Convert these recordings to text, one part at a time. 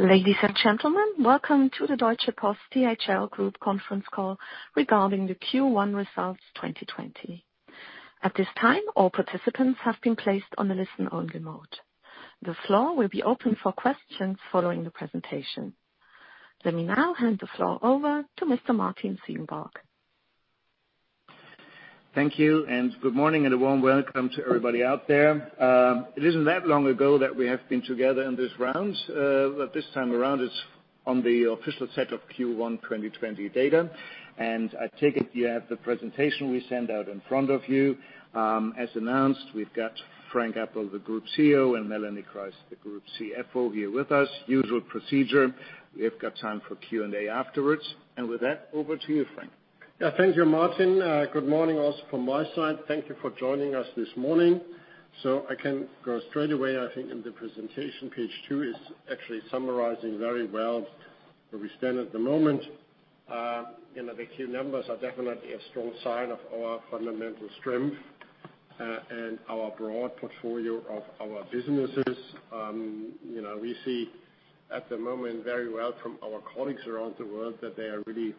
Ladies and gentlemen, welcome to the Deutsche Post DHL Group conference call regarding the Q1 results 2020. At this time, all participants have been placed on a listen-only mode. The floor will be open for questions following the presentation. Let me now hand the floor over to Mr. Martin Ziegenbalg. Thank you. Good morning? A warm welcome to everybody out there. It isn't that long ago that we have been together in this round. This time around it's on the official set of Q1 2020 data. I take it you have the presentation we sent out in front of you. As announced, we've got Frank Appel, the Group Chief Executive Officer, and Melanie Kreis, the Group Chief Financial Officer here with us. Usual procedure, we have got time for Q&A afterwards. With that, over to you, Frank. Yeah. Thank you, Martin. Good morning also from my side? Thank you for joining us this morning. I can go straight away, I think, in the presentation. Page two is actually summarizing very well where we stand at the moment. You know, the key numbers are definitely a strong sign of our fundamental strength and our broad portfolio of our businesses. You know, we see at the moment very well from our colleagues around the world that they are really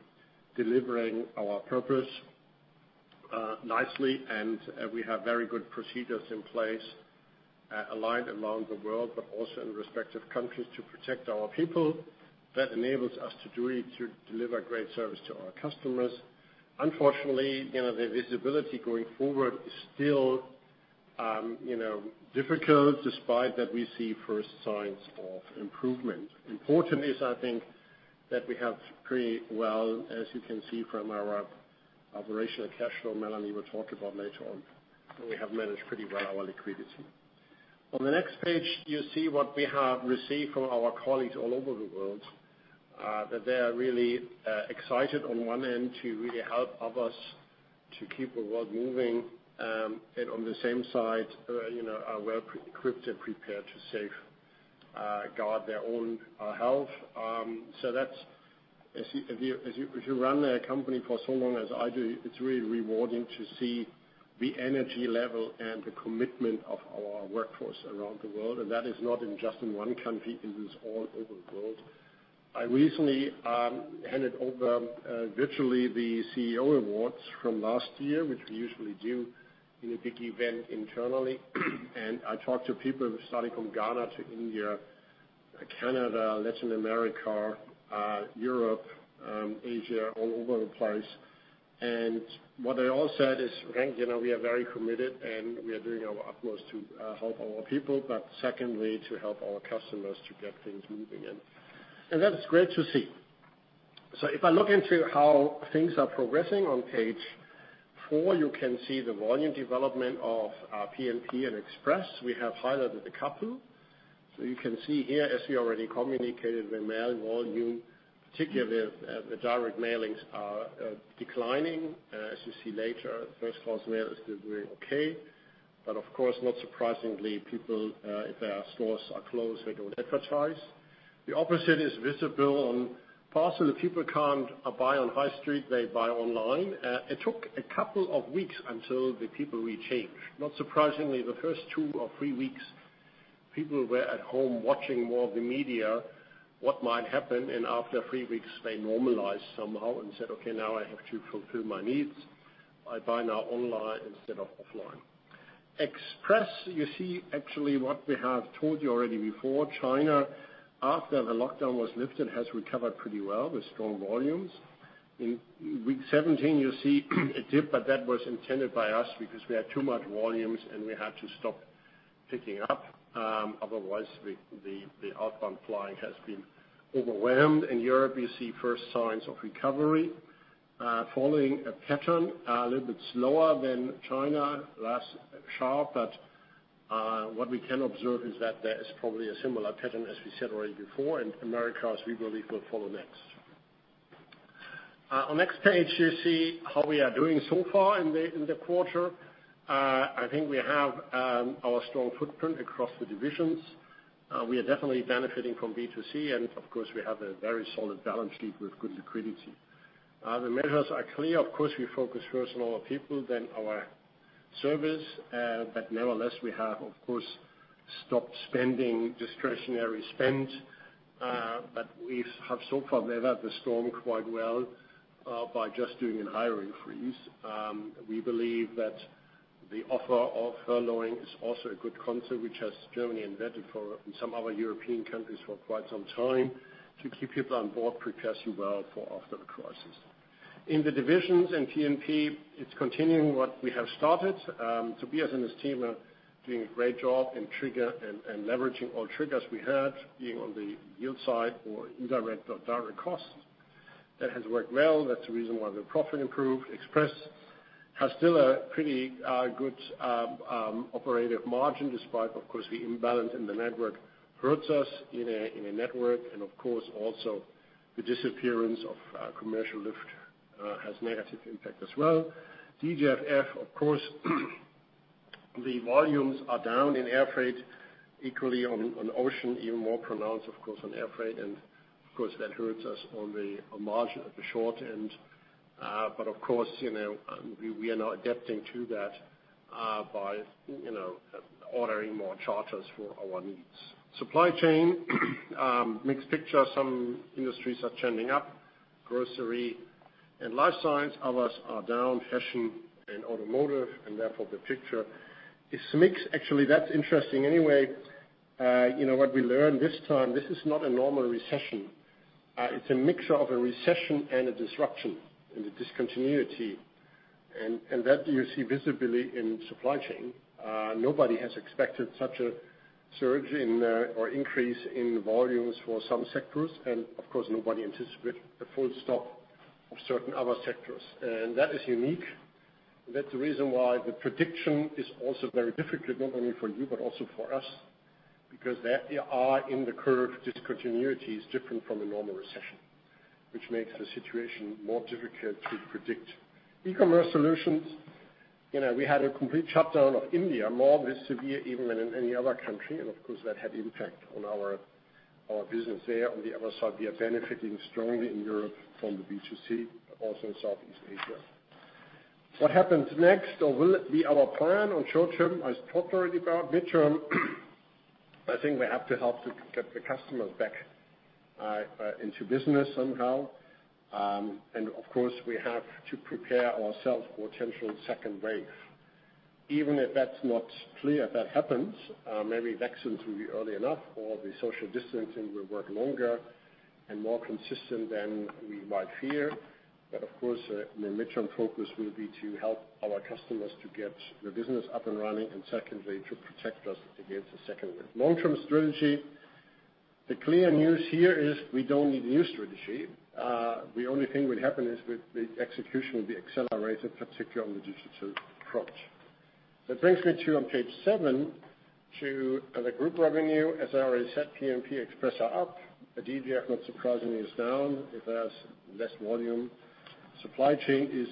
delivering our purpose nicely. We have very good procedures in place, aligned around the world, but also in respective countries to protect our people. That enables us to do it, to deliver great service to our customers. Unfortunately, you know, the visibility going forward is still, you know, difficult, despite that we see first signs of improvement. Important is that we have pretty well, as you can see from our operational cashflow, Melanie will talk about later on, we have managed pretty well our liquidity. On the next page, you see what we have received from our colleagues all over the world, that they are really excited on one end to really help others to keep the world moving. On the same side, you know, are well equipped and prepared to safeguard their own health. That's As you run a company for so long as I do, it's really rewarding to see the energy level and the commitment of our workforce around the world. That is not in just in one country, it is all over the world. I recently handed over virtually the Chief Executive Officer's awards from last year, which we usually do in a big event internally. I talked to people starting from Ghana to India, Canada, Latin America, Europe, Asia, all over the place. What they all said is, Frank, you know, we are very committed, and we are doing our utmost to help our people. Secondly, to help our customers to get things moving. That is great to see. If I look into how things are progressing, on page four you can see the volume development of P&P and Express. We have highlighted a couple. You can see here, as we already communicated, the mail volume, particularly, the direct mailings are declining. As you see later, first class mail is still doing okay. Of course, not surprisingly, people, if their stores are closed, they don't advertise. The opposite is visible on parcel. If people can't buy on High Street, they buy online. It took a couple of weeks until the people really change. Not surprisingly, the first two or three weeks, people were at home watching more of the media, what might happen. After three weeks they normalized somehow and said, okay, now I have to fulfill my needs. I buy now online instead of offline. Express, you see actually what we have told you already before. China, after the lockdown was lifted, has recovered pretty well with strong volumes. In week 17, you see a dip, but that was intended by us because we had too much volumes and we had to stop picking up. Otherwise the outbound flying has been overwhelmed. In Europe, you see first signs of recovery, following a pattern a little bit slower than China, less sharp. What we can observe is that there is probably a similar pattern, as we said already before. Americas, we believe, will follow next. On next page you see how we are doing so far in the quarter. I think we have our strong footprint across the divisions. We are definitely benefiting from B2C. We have a very solid balance sheet with good liquidity. The measures are clear. Of course, we focus first on our people, then our service. We have of course stopped spending, discretionary spend. We have so far weathered the storm quite well by just doing a hiring freeze. We believe that the offer of furloughing is also a good concept, which has Germany invented for, and some other European countries, for quite some time to keep people on board, preparing well for after the crisis. In the divisions and P&P, it's continuing what we have started. Tobias and his team are doing a great job in trigger and leveraging all triggers we had, being on the yield side or indirect or direct costs. That has worked well. That's the reason why the profit improved. Express has still a pretty good operative margin despite, of course, the imbalance in the network hurts us in a network. Of course, also the disappearance of commercial lift has negative impact as well. DGF, of course, the volumes are down in air freight, equally on ocean, even more pronounced of course on air freight. Of course, that hurts us on the margin at the short end. But of course, you know, we are now adapting to that by ordering more charters for our needs. Supply chain, mixed picture. Some industries are trending up, grocery and life science. Others are down, fashion and automotive, and therefore the picture is mixed. Actually, that's interesting anyway. You know, what we learned this time, this is not a normal recession. It's a mixture of a recession and a disruption and a discontinuity and that you see visibly in supply chain. Nobody has expected such a surge in or increase in volumes for some sectors. Of course, nobody anticipate a full stop of certain other sectors. That is unique. That's the reason why the prediction is also very difficult, not only for you, but also for us, because there are in the curve discontinuities different from a normal recession, which makes the situation more difficult to predict. E-Commerce Solutions, you know, we had a complete shutdown of India, more with severe even than in any other country. Of course, that had impact on our business there. On the other side, we are benefiting strongly in Europe from the B2C, also in Southeast Asia. What happens next or will it be our plan on short term? I talked already about midterm. I think we have to help to get the customers back into business somehow. Of course, we have to prepare ourselves for potential second wave. Even if that's not clear if that happens, maybe vaccines will be early enough or the social distancing will work longer and more consistent than we might fear. Of course, in the midterm focus will be to help our customers to get their business up and running, and secondly, to protect us against the second wave. Long-term strategy. The clear news here is we don't need new strategy. The only thing will happen is with the execution will be accelerated, particularly on the digital front. That brings me to on page seven to the group revenue. As I already said, P&P, Express are up. DGF, not surprisingly, is down. It has less volume. Supply Chain is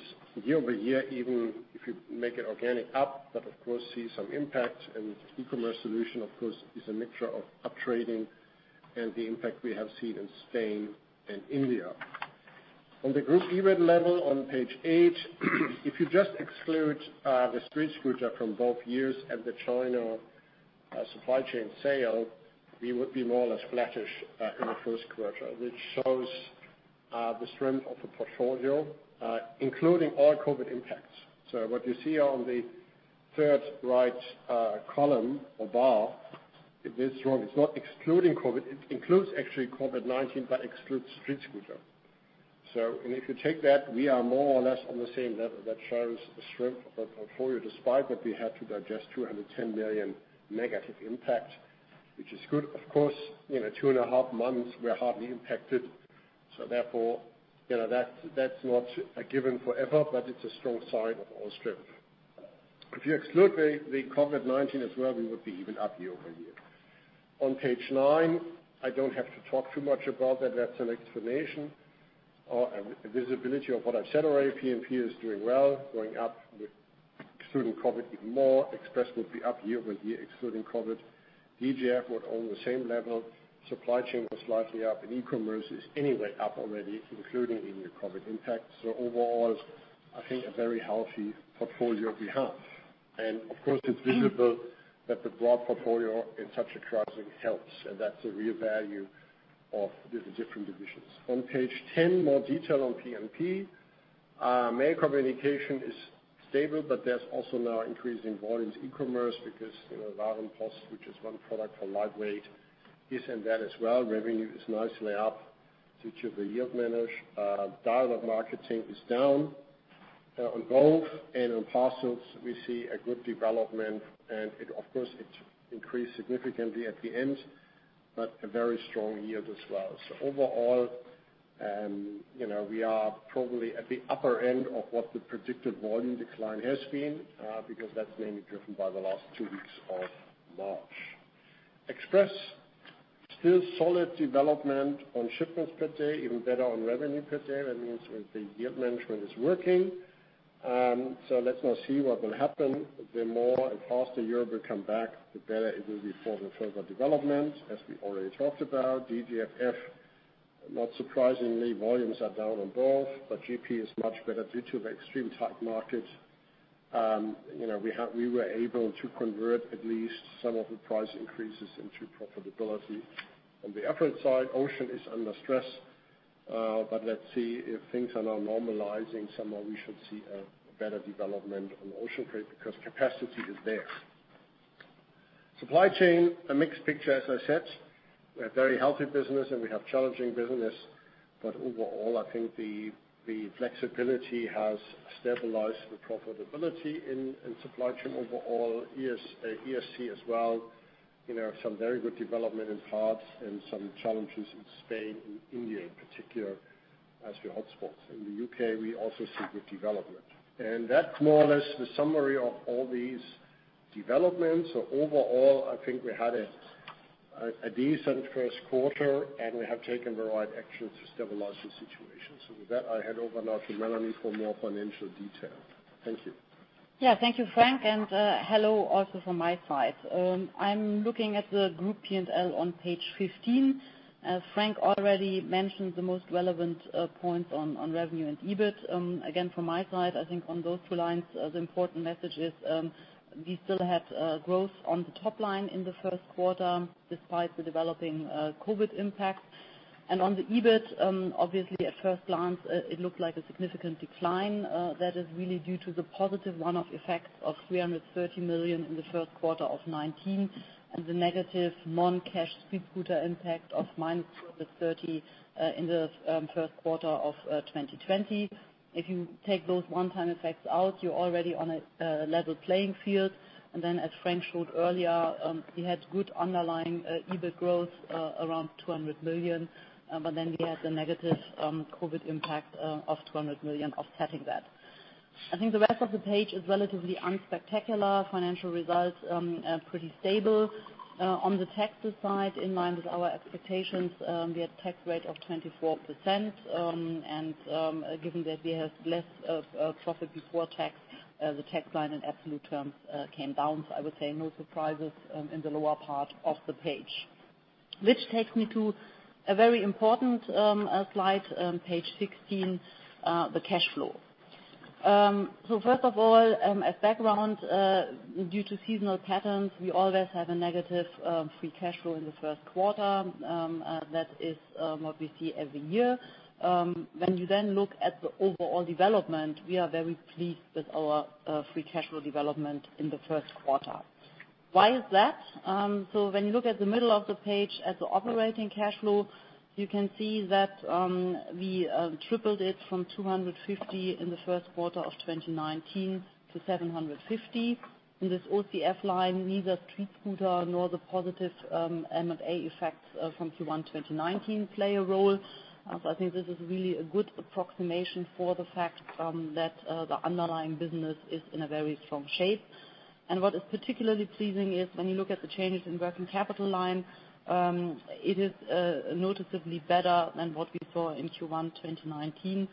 year-over-year, even if you make it organic up, but of course, see some impact. E-Commerce solution, of course, is a mixture of up-trading and the impact we have seen in Spain and India. On the group EBIT level on page eight, if you just exclude the StreetScooter from both years and the China supply chain sale, we would be more or less flattish in the first quarter, which shows the strength of the portfolio, including all COVID impacts. What you see on the third right column or bar, it is wrong. It is not excluding COVID. It includes actually COVID-19, but excludes StreetScooter. If you take that, we are more or less on the same level. That shows the strength of the portfolio, despite that we had to digest 210 million negative impact, which is good. Of course, you know, two and a half months we are hardly impacted. You know, that's not a given forever, but it's a strong sign of our strength. If you exclude the COVID-19 as well, we would be even up year-over-year. On page nine, I don't have to talk too much about that. That's an explanation or visibility of what I've said already. P&P is doing well, going up with excluding COVID even more. Express would be up year-over-year excluding COVID. DGF would be on the same level. Supply chain was slightly up, and e-commerce is anyway up already, including in the COVID impact. Overall, I think a very healthy portfolio we have. It's visible that the broad portfolio in such a crisis helps, and that's the real value of the different divisions. On page 10, more detail on P&P. Mail Communication is stable, but there's also now increase in volumes e-commerce because, you know, Warenpost, which is one product for lightweight is in that as well. Revenue is nicely up due to the yield manage. Dialogue Marketing is down. On both and on parcels, we see a good development. Of course, it increased significantly at the end, but a very strong yield as well. Overall, you know, we are probably at the upper end of what the predicted volume decline has been, because that's mainly driven by the last two weeks of March. Express, still solid development on shipments per day, even better on revenue per day. That means the yield management is working. Let's now see what will happen. The more and faster Europe will come back, the better it will be for the further development, as we already talked about. DGF, not surprisingly, volumes are down on both, but GP is much better due to the extreme tight market. You know, we were able to convert at least some of the price increases into profitability. On the upfront side, ocean is under stress, let's see if things are now normalizing. Somehow we should see a better development on ocean freight because capacity is there. Supply chain, a mixed picture, as I said. We have very healthy business and we have challenging business. Overall, I think the flexibility has stabilized the profitability in supply chain overall, eCS as well. You know, some very good development in parts and some challenges in Spain and India in particular as your hotspots. In the U.K., we also see good development. That's more or less the summary of all these developments. Overall, I think we had a decent first quarter. We have taken the right action to stabilize the situation. With that, I hand over now to Melanie for more financial detail. Thank you. Thank you, Frank, and hello also from my side. I'm looking at the group P&L on page 15. Frank already mentioned the most relevant points on revenue and EBIT. Again, from my side, I think on those two lines, the important message is, we still have growth on the top line in the first quarter despite the developing COVID impact. On the EBIT, obviously at first glance, it looked like a significant decline. That is really due to the positive one-off effect of 330 million in the first quarter of 2019, and the negative non-cash StreetScooter impact of -230 in the first quarter of 2020. If you take those one-time effects out, you're already on a level playing field. As Frank showed earlier, we had good underlying EBIT growth, around 200 million, but then we had the negative COVID-19 impact of 200 million offsetting that. I think the rest of the page is relatively unspectacular. Financial results are pretty stable. On the taxes side, in line with our expectations, we had tax rate of 24%. Given that we have less of profit before tax, the tax line in absolute terms came down. I would say no surprises in the lower part of the page. Which takes me to a very important slide, page 16, the cash flow. First of all, as background, due to seasonal patterns, we always have a negative free cash flow in the first quarter. That is what we see every year. When you look at the overall development, we are very pleased with our free cash flow development in the first quarter. Why is that? When you look at the middle of the page at the operating cash flow, you can see that we tripled it from 250 in the first quarter of 2019 to 750. In this OCF line, neither StreetScooter nor the positive M&A effects from Q1 2019 play a role. I think this is really a good approximation for the fact that the underlying business is in a very strong shape. What is particularly pleasing is when you look at the changes in working capital line, it is noticeably better than what we saw in Q1 2019.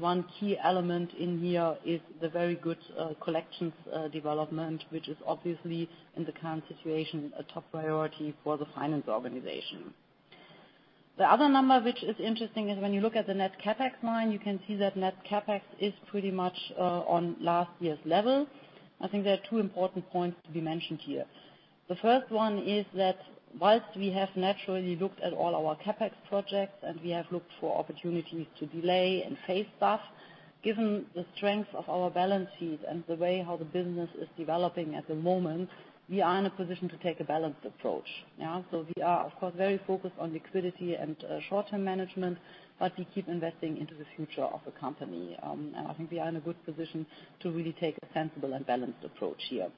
One key element in here is the very good collections development, which is obviously, in the current situation, a top priority for the finance organization. The other number which is interesting is when you look at the net CapEx line, you can see that net CapEx is pretty much on last year's level. I think there are two important points to be mentioned here. The first one is that whilst we have naturally looked at all our CapEx projects, and we have looked for opportunities to delay and phase stuff, given the strength of our balance sheet and the way how the business is developing at the moment, we are in a position to take a balanced approach. Yeah? We are, of course, very focused on liquidity and short-term management, but we keep investing into the future of the company. I think we are in a good position to really take a sensible and balanced approach here.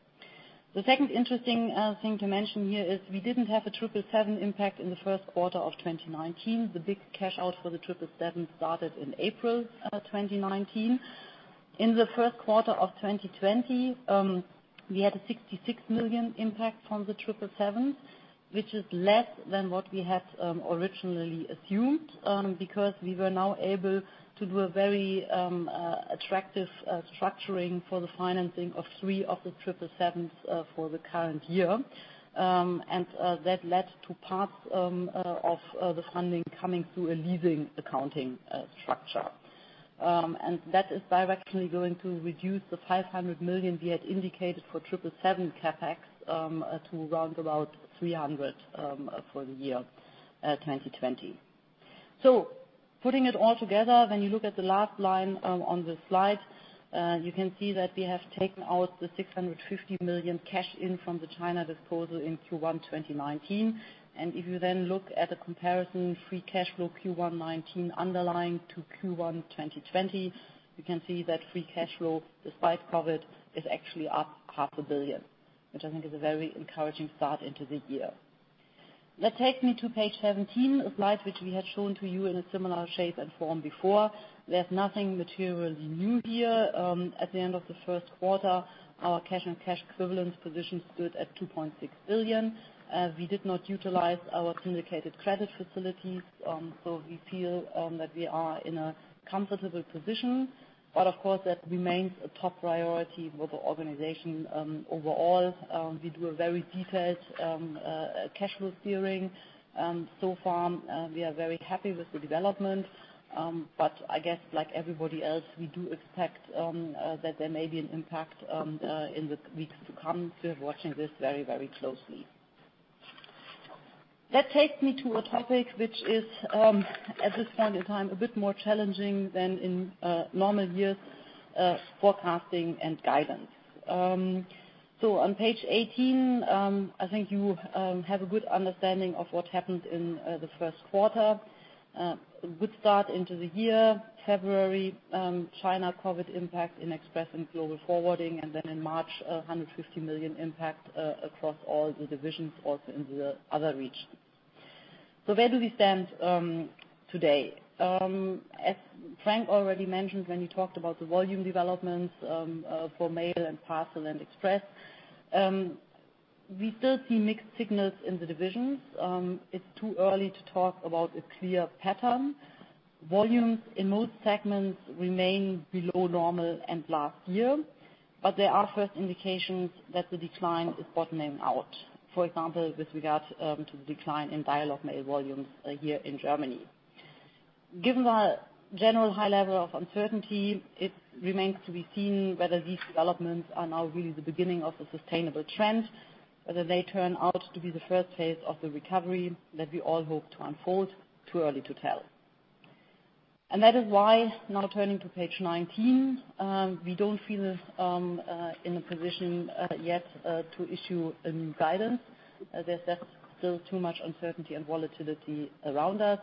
The second interesting thing to mention here is we didn't have a 777 impact in the first quarter of 2019. The big cash out for the 777 started in April, 2019. In the first quarter of 2020, we had a 66 million impact from the 777, which is less than what we had originally assumed, because we were now able to do a very attractive structuring for the financing of three of the 777 for the current year. That led to parts of the funding coming through a leasing accounting structure. That is directly going to reduce the 500 million we had indicated for 777 CapEx to round about 300 for the year 2020. Putting it all together, when you look at the last line on the slide, you can see that we have taken out the 650 million cash in from the China disposal in Q1 2019. If you then look at the comparison, free cash flow Q1 2019 underlying to Q1 2020, you can see that free cash flow, despite COVID, is actually up 0.5 billion, which I think is a very encouraging start into the year. That takes me to page 17, a slide which we had shown to you in a similar shape and form before. There's nothing materially new here. At the end of the first quarter, our cash and cash equivalents position stood at 2.6 billion. We did not utilize our syndicated credit facilities, we feel that we are in a comfortable position. Of course, that remains a top priority for the organization overall. We do a very detailed cash flow steering. So far, we are very happy with the development. I guess like everybody else, we do expect that there may be an impact in the weeks to come. We're watching this very, very closely. That takes me to a topic which is at this point in time, a bit more challenging than in normal years, forecasting and guidance. On page 18, I think you have a good understanding of what happened in the first quarter. A good start into the year. February, China COVID-19 impact in Express and Global Forwarding, in March, 150 million impact across all the Divisions, also in the other regions. Where do we stand today? As Frank already mentioned when he talked about the volume developments for Mail and Parcel and Express, we still see mixed signals in the Divisions. It's too early to talk about a clear pattern. Volumes in most segments remain below normal and last year, there are first indications that the decline is bottoming out. For example, with regard to the decline in Dialogue Mail volumes here in Germany. Given the general high level of uncertainty, it remains to be seen whether these developments are now really the beginning of a sustainable trend, whether they turn out to be the first phase of the recovery that we all hope to unfold, too early to tell. That is why now turning to page 19, we don't feel in a position yet to issue a new guidance. There's just still too much uncertainty and volatility around us.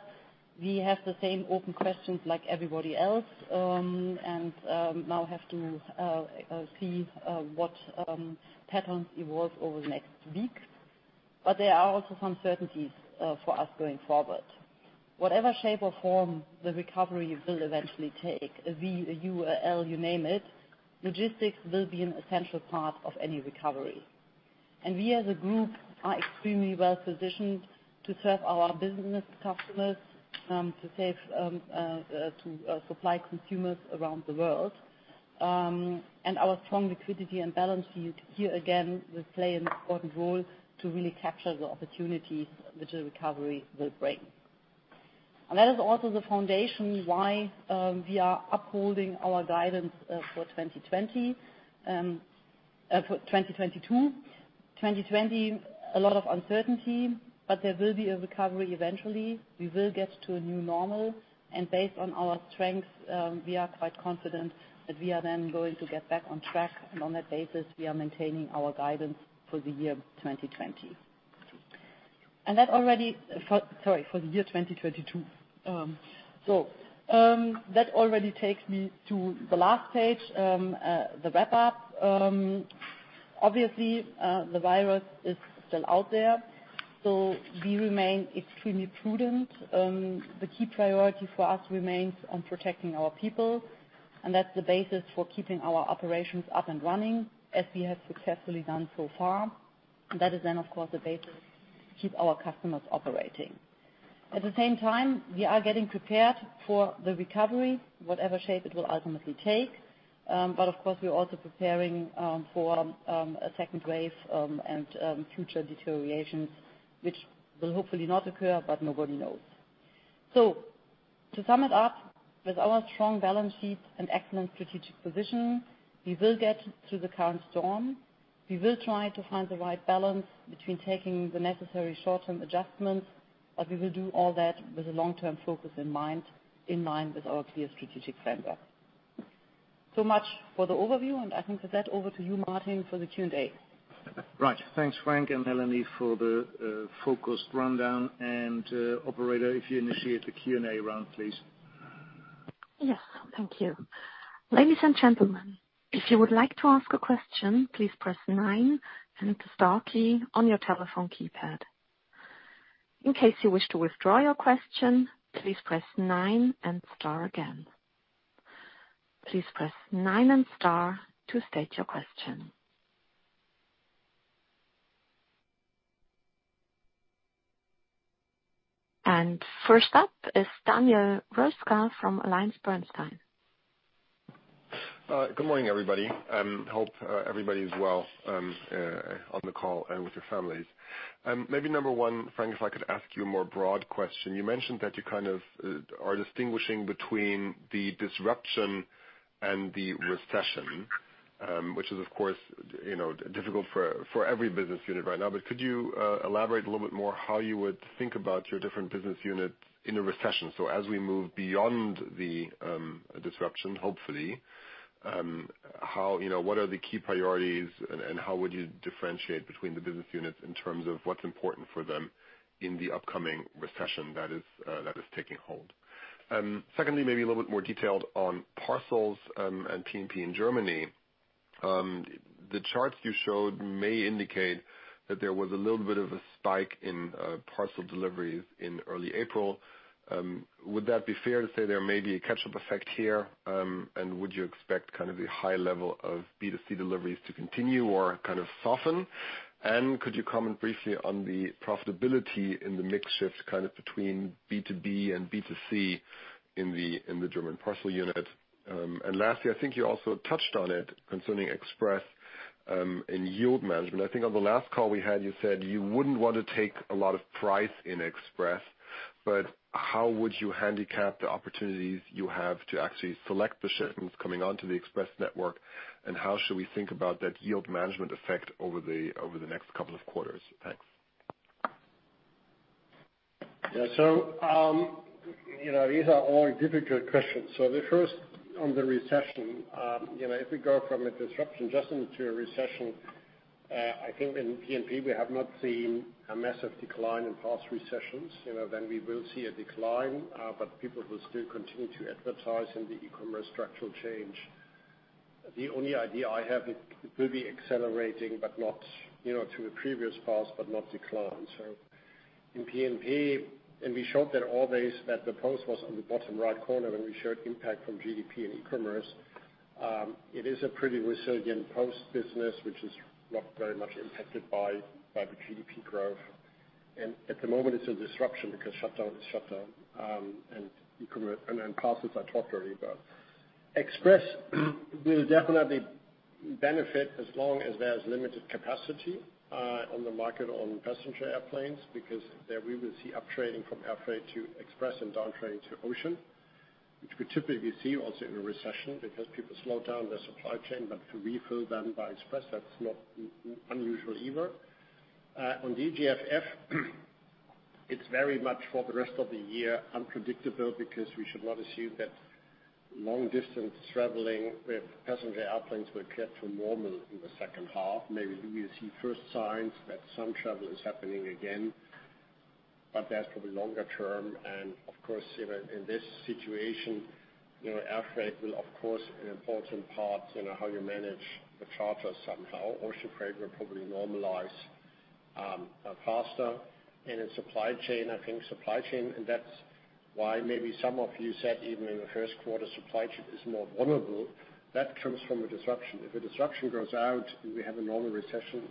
We have the same open questions like everybody else, and now have to see what patterns evolve over the next weeks. There are also some certainties for us going forward. Whatever shape or form the recovery will eventually take, a V, a U, a L, you name it, logistics will be an essential part of any recovery. We as a group are extremely well-positioned to serve our business customers, to supply consumers around the world. Our strong liquidity and balance sheet here, again, will play an important role to really capture the opportunities which the recovery will bring. That is also the foundation why we are upholding our guidance for 2020, for 2022. 2020, a lot of uncertainty, but there will be a recovery eventually. We will get to a new normal, based on our strength, we are quite confident that we are then going to get back on track. On that basis, we are maintaining our guidance for the year 2020. That already, sorry, for the year 2022. That already takes me to the last page, the wrap-up. Obviously, the virus is still out there, we remain extremely prudent. The key priority for us remains on protecting our people, that's the basis for keeping our operations up and running as we have successfully done so far. That is then, of course, the basis to keep our customers operating. At the same time, we are getting prepared for the recovery, whatever shape it will ultimately take. Of course, we're also preparing for a second wave, future deterioration, which will hopefully not occur, nobody knows. To sum it up, with our strong balance sheet and excellent strategic position, we will get through the current storm. We will try to find the right balance between taking the necessary short-term adjustments, but we will do all that with a long-term focus in mind, in line with our clear strategic framework. Much for the overview, and I think with that, over to you, Martin, for the Q&A. Right. Thanks, Frank and Melanie, for the focused rundown. Operator, if you initiate the Q&A round, please. Yes. Thank you. Ladies and gentlemen, if you would like to ask a question, please press nine and the star key on your telephone keypad. In case you wish to withdraw your question, please press nine and star again. Please press nine and star to state your question. First up is Daniel Röska from AllianceBernstein. Good morning, everybody. Hope everybody is well on the call and with your families. Maybe number one, Frank, if I could ask you a more broad question. You mentioned that you kind of are distinguishing between the disruption and the recession, which is of course, you know, difficult for every business unit right now. Could you elaborate a little bit more how you would think about your different business units in a recession? As we move beyond the disruption, hopefully, how, you know, what are the key priorities and how would you differentiate between the business units in terms of what's important for them in the upcoming recession that is taking hold? Secondly, maybe a little bit more detailed on parcels and P&P in Germany. The charts you showed may indicate that there was a little bit of a spike in parcel deliveries in early April. Would that be fair to say there may be a catch-up effect here? Would you expect kind of a high level of B2C deliveries to continue or kind of soften? Could you comment briefly on the profitability in the mix shift kind of between B2B and B2C in the German Parcel unit? Lastly, I think you also touched on it concerning express in yield management. I think on the last call we had, you said you wouldn't want to take a lot of price in express, but how would you handicap the opportunities you have to actually select the shipments coming onto the express network andow should we think about that yield management effect over the, over the next couple of quarters? Thanks. You know, these are all difficult questions. The first, on the recession, you know, if we go from a disruption just into a recession, I think in P&P, we have not seen a massive decline in past recessions. You know, we will see a decline, but people will still continue to advertise in the E-commerce structural change. The only idea I have, it could be accelerating but not, you know, to a previous past, but not decline. In P&P, we showed that all days that the Post was on the bottom right corner when we showed impact from GDP and E-commerce. It is a pretty resilient Post business, which is not very much impacted by the GDP growth. At the moment it's a disruption because shutdown is shutdown. E-commerce. Then parcels I talked already about. Express will definitely benefit as long as there's limited capacity on the market on passenger airplanes, because there we will see uptrending from Air Freight to Express and downtrending to Ocean. Which we typically see also in a recession because people slow down their supply chain, but to refill them by Express, that's not unusual either. On the DGF, it's very much for the rest of the year unpredictable because we should not assume that long-distance traveling with passenger airplanes will get to normal in the second half. Maybe we will see first signs that some travel is happening again, but that's probably longer term. Of course, you know, in this situation, you know, air freight will of course an important part, you know, how you manage the charter somehow. Ocean freight will probably normalize faster. In supply chain, I think supply chain, and that's why maybe some of you said even in the first quarter, supply chain is more vulnerable. That comes from a disruption. If a disruption goes out and we have a normal recession,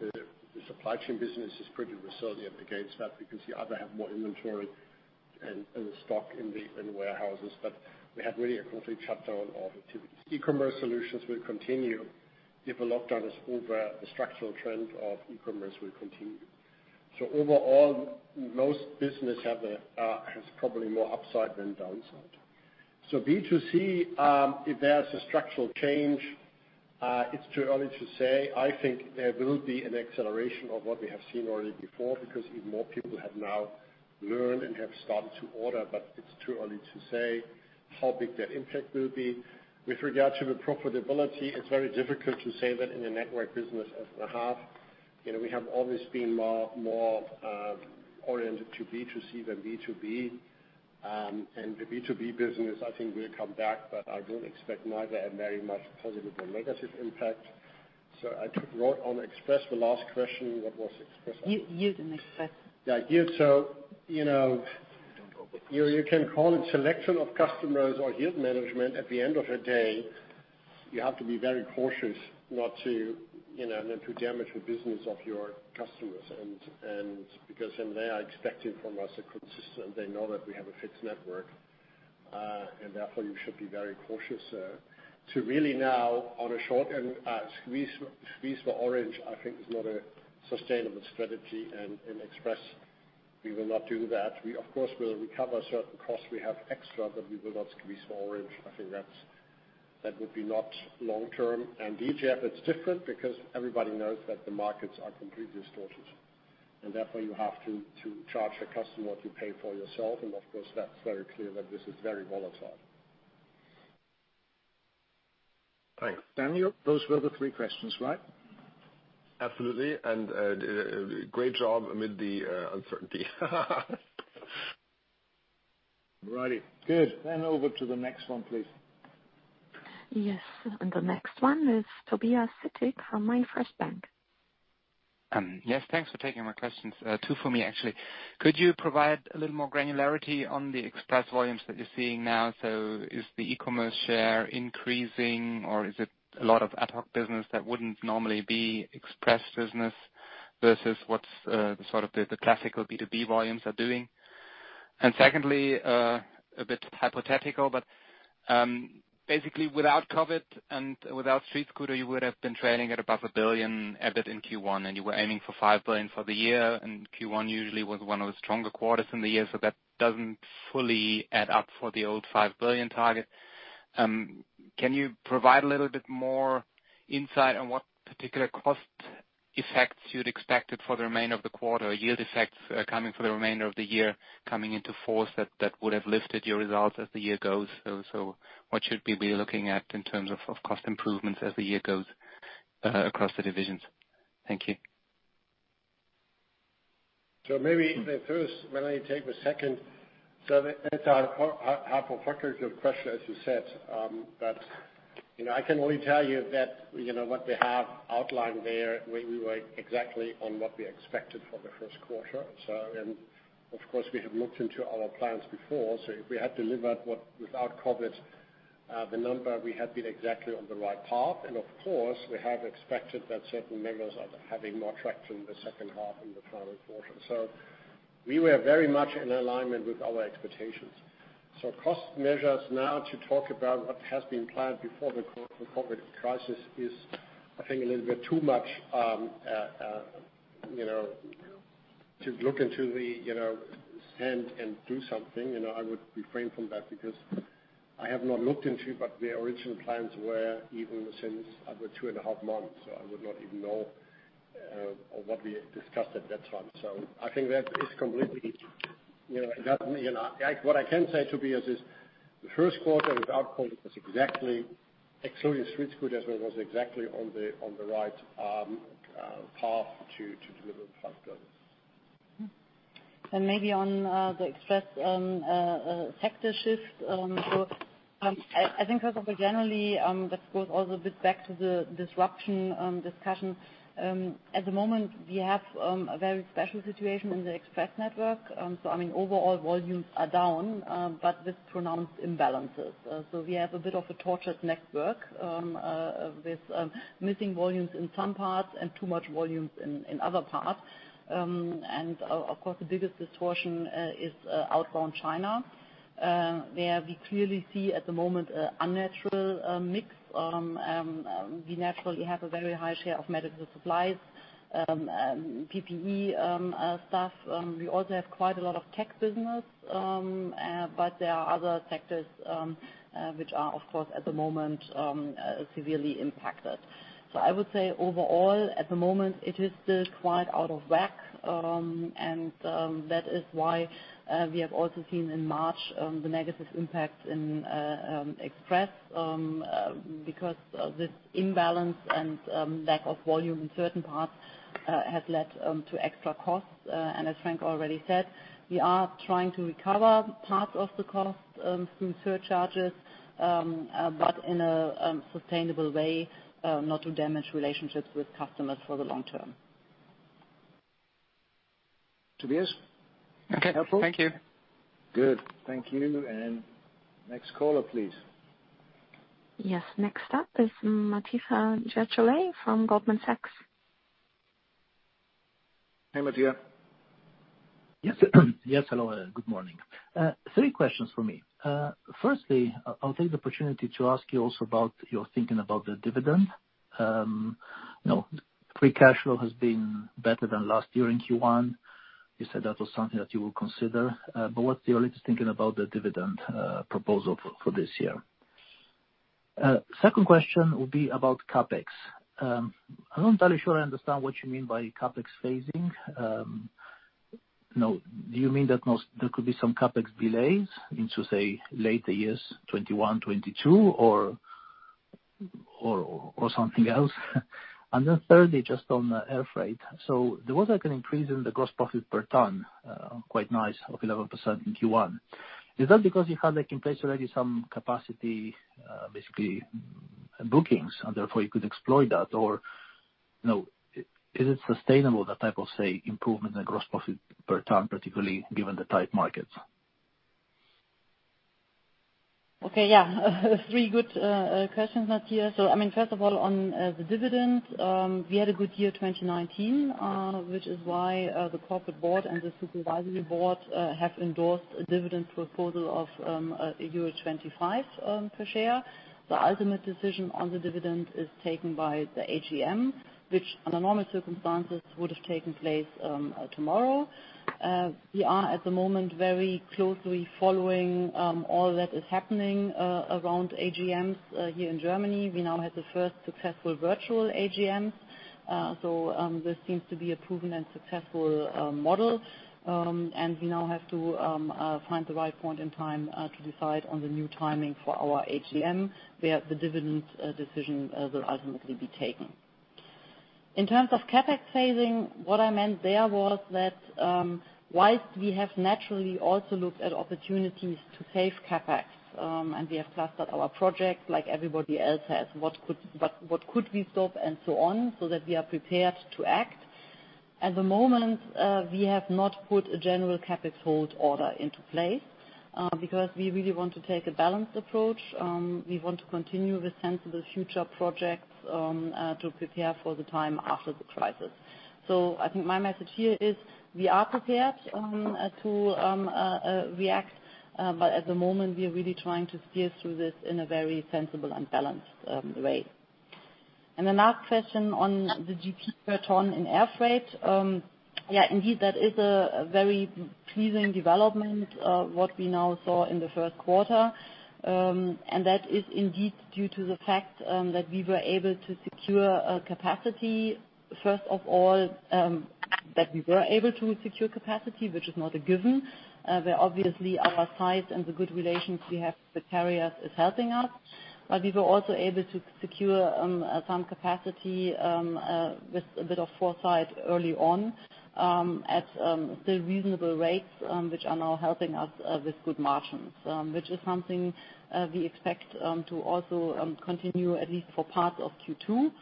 the supply chain business is pretty resilient against that because you either have more inventory and stock in the warehouses, but we had really a complete shutdown of activities. E-commerce Solutions will continue. If a lockdown is over, the structural trend of E-commerce will continue. Overall, most business has probably more upside than downside. B2C, if there's a structural change, it's too early to say. I think there will be an acceleration of what we have seen already before because even more people have now learned and have started to order, it's too early to say how big that impact will be. With regard to the profitability, it's very difficult to say that in a network business as it has. You know, we have always been more oriented to B2C than B2B. The B2B business, I think will come back, but I don't expect neither a very much positive or negative impact. I wrote on Express the last question. What was Express? Yield and express. Yield. You know, you can call it selection of customers or yield management. At the end of the day, you have to be very cautious not to, you know, not to damage the business of your customers and because then they are expecting from us a consistent. They know that we have a fixed network, and therefore you should be very cautious to really now on a short and squeeze the orange, I think is not a sustainable strategy. In express, we will not do that. We of course, will recover certain costs we have extra, but we will not squeeze orange. I think that would be not long-term. DGF it's different because everybody knows that the markets are completely distorted, and therefore you have to charge a customer what you pay for yourself. Of course, that's very clear that this is very volatile. Thanks. Daniel, those were the three questions, right? Absolutely. Great job amid the uncertainty. All righty. Good. Over to the next one, please. Yes. The next one is Tobias Sittig from MainFirst Bank. Yes, thanks for taking my questions. Two for me, actually. Could you provide a little more granularity on the express volumes that you're seeing now? Is the E-commerce share increasing or is it a lot of ad hoc business that wouldn't normally be express business versus what's the sort of the classical B2B volumes are doing? Secondly, a bit hypothetical, but basically without COVID and without StreetScooter, you would've been trading at above a billion EBIT in Q1, and you were aiming for 5 billion for the year, and Q1 usually was 1 of the stronger quarters in the year. That doesn't fully add up for the old 5 billion target. Can you provide a little bit more insight on what particular cost effects you'd expected for the remainder of the quarter, yield effects coming for the remainder of the year coming into force that would've lifted your results as the year goes? What should we be looking at in terms of cost improvements as the year goes across the divisions? Thank you. Maybe the first, Melanie take the second. It's a hypothetical question as you said. You know, I can only tell you that, you know, what we have outlined there, we were exactly on what we expected for the first quarter. Of course, we have looked into our plans before, so if we had delivered without COVID, the number we had been exactly on the right path. Of course, we have expected that certain measures are having more traction in the second half and the final quarter. We were very much in alignment with our expectations. Cost measures now to talk about what has been planned before the COVID crisis is I think a little bit too much, you know, to look into the, you know, sand and do something. You know, I would refrain from that because I have not looked into, but the original plans were even since over two and a half months. I would not even know what we discussed at that time. I think that is completely, you know. What I can say, Tobias, is the first quarter without COVID was exactly, excluding StreetScooter, on the right path to deliver the EUR 5 billion goals. Maybe on the express sector shift. I think also generally, this goes all a bit back to the disruption discussion. At the moment, we have a very special situation in the express network. I mean, overall volumes are down, but with pronounced imbalances. We have a bit of a tortured network, with missing volumes in some parts and too much volumes in other parts. Of course, the biggest distortion is outbound China. There we clearly see at the moment a unnatural mix. We naturally have a very high share of medical supplies, PPE, stuff. We also have quite a lot of tech business. There are other sectors, which are of course at the moment severely impacted. I would say overall at the moment it is still quite out of whack. That is why we have also seen in March the negative impact in Express. Because of this imbalance and lack of volume in certain parts has led to extra costs. As Frank already said, we are trying to recover part of the cost through surcharges but in a sustainable way not to damage relationships with customers for the long term. Tobias? Okay. Helpful? Thank you. Good. Thank you. Next caller, please. Yes. Next up is Matija Gergolet from Goldman Sachs. Hey, Matija? Yes. Yes, hello and good morning? Three questions from me. Firstly, I'll take the opportunity to ask you also about your thinking about the dividend. You know, free cash flow has been better than last year in Q1. You said that was something that you will consider. But what's your latest thinking about the dividend proposal for this year? Second question would be about CapEx. I'm not entirely sure I understand what you mean by CapEx phasing. You know, do you mean that there could be some CapEx delays into, say, later years, 2021, 2022, or something else? Thirdly, just on the air freight. There was an increase in the gross profit per ton, quite nice of 11% in Q1. Is that because you had, like, in place already some capacity, basically bookings and therefore you could exploit that? You know, is it sustainable, that type of, say, improvement in gross profit per ton, particularly given the tight markets? Okay. Yeah. Three good questions, Matija. I mean, first of all, on the dividend, we had a good year 2019, which is why the corporate board and the supervisory board have endorsed a dividend proposal of euro 25 per share. The ultimate decision on the dividend is taken by the AGM, which under normal circumstances would have taken place tomorrow. We are at the moment very closely following all that is happening around AGMs here in Germany. We now had the first successful virtual AGM. This seems to be a proven and successful model. We now have to find the right point in time to decide on the new timing for our AGM, where the dividend decision will ultimately be taken. In terms of CapEx phasing, what I meant there was that, whilst we have naturally also looked at opportunities to save CapEx, and we have clustered our projects like everybody else has, what could we stop and so on, so that we are prepared to act. At the moment, we have not put a general CapEx hold order into place, because we really want to take a balanced approach. We want to continue with sensible future projects, to prepare for the time after the crisis. I think my message here is we are prepared, to react, but at the moment we are really trying to steer through this in a very sensible and balanced way. The last question on the GP per ton in air freight. Yeah, indeed, that is a very pleasing development, what we now saw in the first quarter. That is indeed due to the fact that we were able to secure capacity, which is not a given. Where obviously our size and the good relations we have with carriers is helping us. We were also able to secure some capacity with a bit of foresight early on at the reasonable rates, which are now helping us with good margins. Which is something we expect to also continue at least for part of Q2.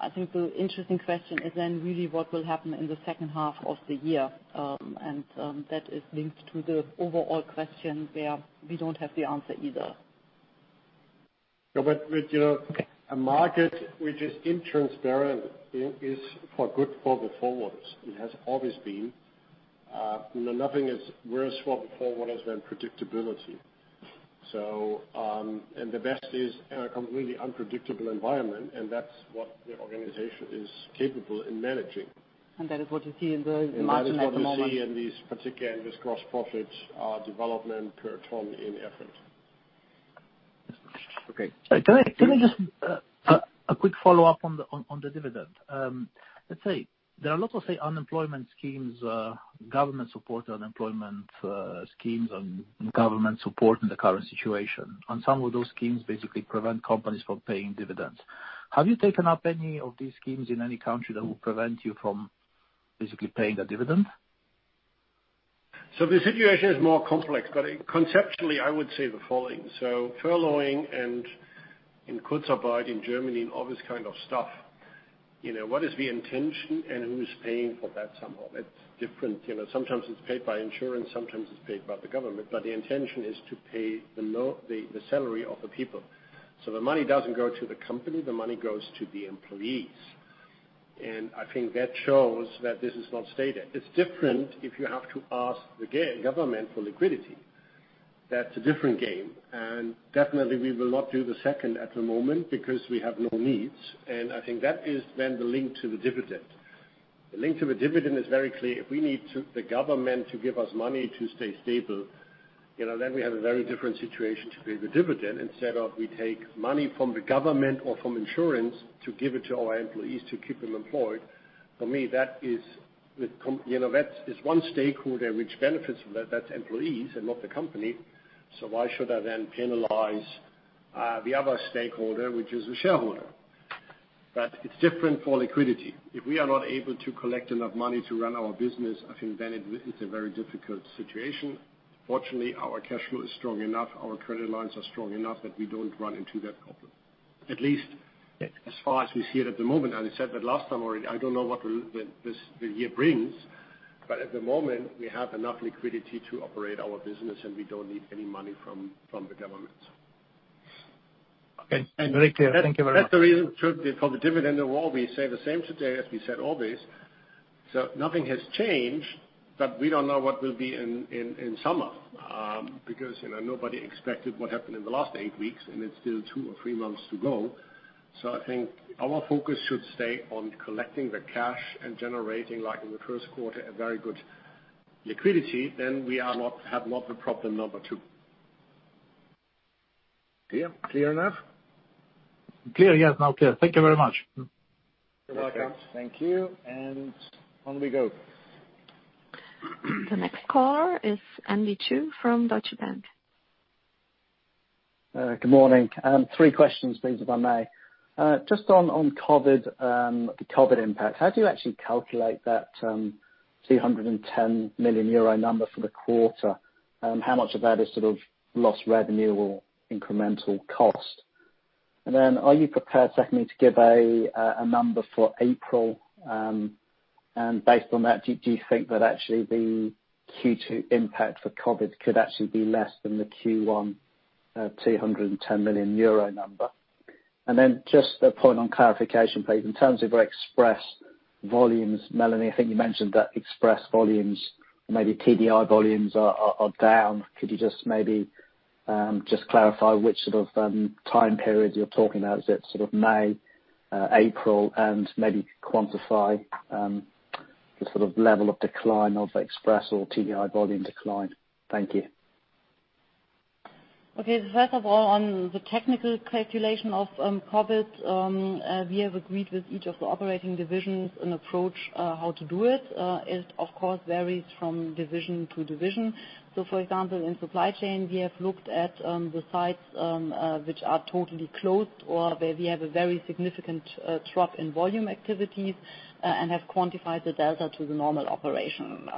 I think the interesting question is then really what will happen in the second half of the year, and that is linked to the overall question where we don't have the answer either. You know, a market which is intransparent is for good for the forwarders. It has always been. You know, nothing is worse for the forwarders than predictability. The best is in a completely unpredictable environment, and that's what the organization is capable in managing. That is what you see in the margin at the moment. That is what we see in these particular, in this gross profits development per ton in air freight. Okay. Can I just a quick follow-up on the dividend? Let's say there are lots of unemployment schemes, government support unemployment schemes and government support in the current situation. Some of those schemes basically prevent companies from paying dividends. Have you taken up any of these schemes in any country that will prevent you from basically paying a dividend? The situation is more complex, but conceptually, I would say the following. Furloughing and in Kurzarbeit in Germany and all this kind of stuff, you know, what is the intention and who's paying for that somehow? It's different. You know, sometimes it's paid by insurance, sometimes it's paid by the government. The intention is to pay the salary of the people. The money doesn't go to the company, the money goes to the employees. I think that shows that this is not stated. It's different if you have to ask the government for liquidity. That's a different game. Definitely we will not do the second at the moment because we have no needs. I think that is then the link to the dividend. The link to the dividend is very clear. If we need the government to give us money to stay stable, you know, then we have a very different situation to pay the dividend instead of we take money from the government or from insurance to give it to our employees to keep them employed. For me, that is, you know, that is one stakeholder which benefits from that's employees and not the company. Why should I then penalize the other stakeholder, which is the shareholder? It's different for liquidity. If we are not able to collect enough money to run our business, I think then it's a very difficult situation. Fortunately, our cash flow is strong enough, our credit lines are strong enough that we don't run into that problem. At least as far as we see it at the moment. I said that last time already. I don't know what this, the year brings. At the moment, we have enough liquidity to operate our business. We don't need any money from the government. Okay. Very clear. Thank you very much. That's the reason for the dividend. We say the same today as we said always. Nothing has changed, but we don't know what will be in summer, because, you know, nobody expected what happened in the last eight weeks, and it's still two or three months to go. We have not the problem number two. Clear? Clear enough? Clear. Yes, now clear. Thank you very much. You're welcome. Thank you. On we go. The next caller is Andy Chu from Deutsche Bank. Good morning. Three questions please, if I may. Just on COVID, the COVID impact, how do you actually calculate that 210 million euro number for the quarter? How much of that is sort of lost revenue or incremental cost? Are you prepared, secondly, to give a number for April? Based on that, do you think that actually the Q2 impact for COVID could actually be less than the Q1 210 million euro number? Just a point on clarification, please. In terms of Express volumes, Melanie, I think you mentioned that Express volumes, maybe TDI volumes are down. Could you just maybe clarify which sort of time periods you're talking about? Is it sort of May, April, and maybe quantify the sort of level of decline of Express or TDI volume decline? Thank you. Okay. First of all, on the technical calculation of COVID, we have agreed with each of the operating divisions an approach how to do it. It of course varies from division to division. For example, in Supply Chain, we have looked at the sites which are totally closed or where we have a very significant drop in volume activities and have quantified the delta to the normal operation.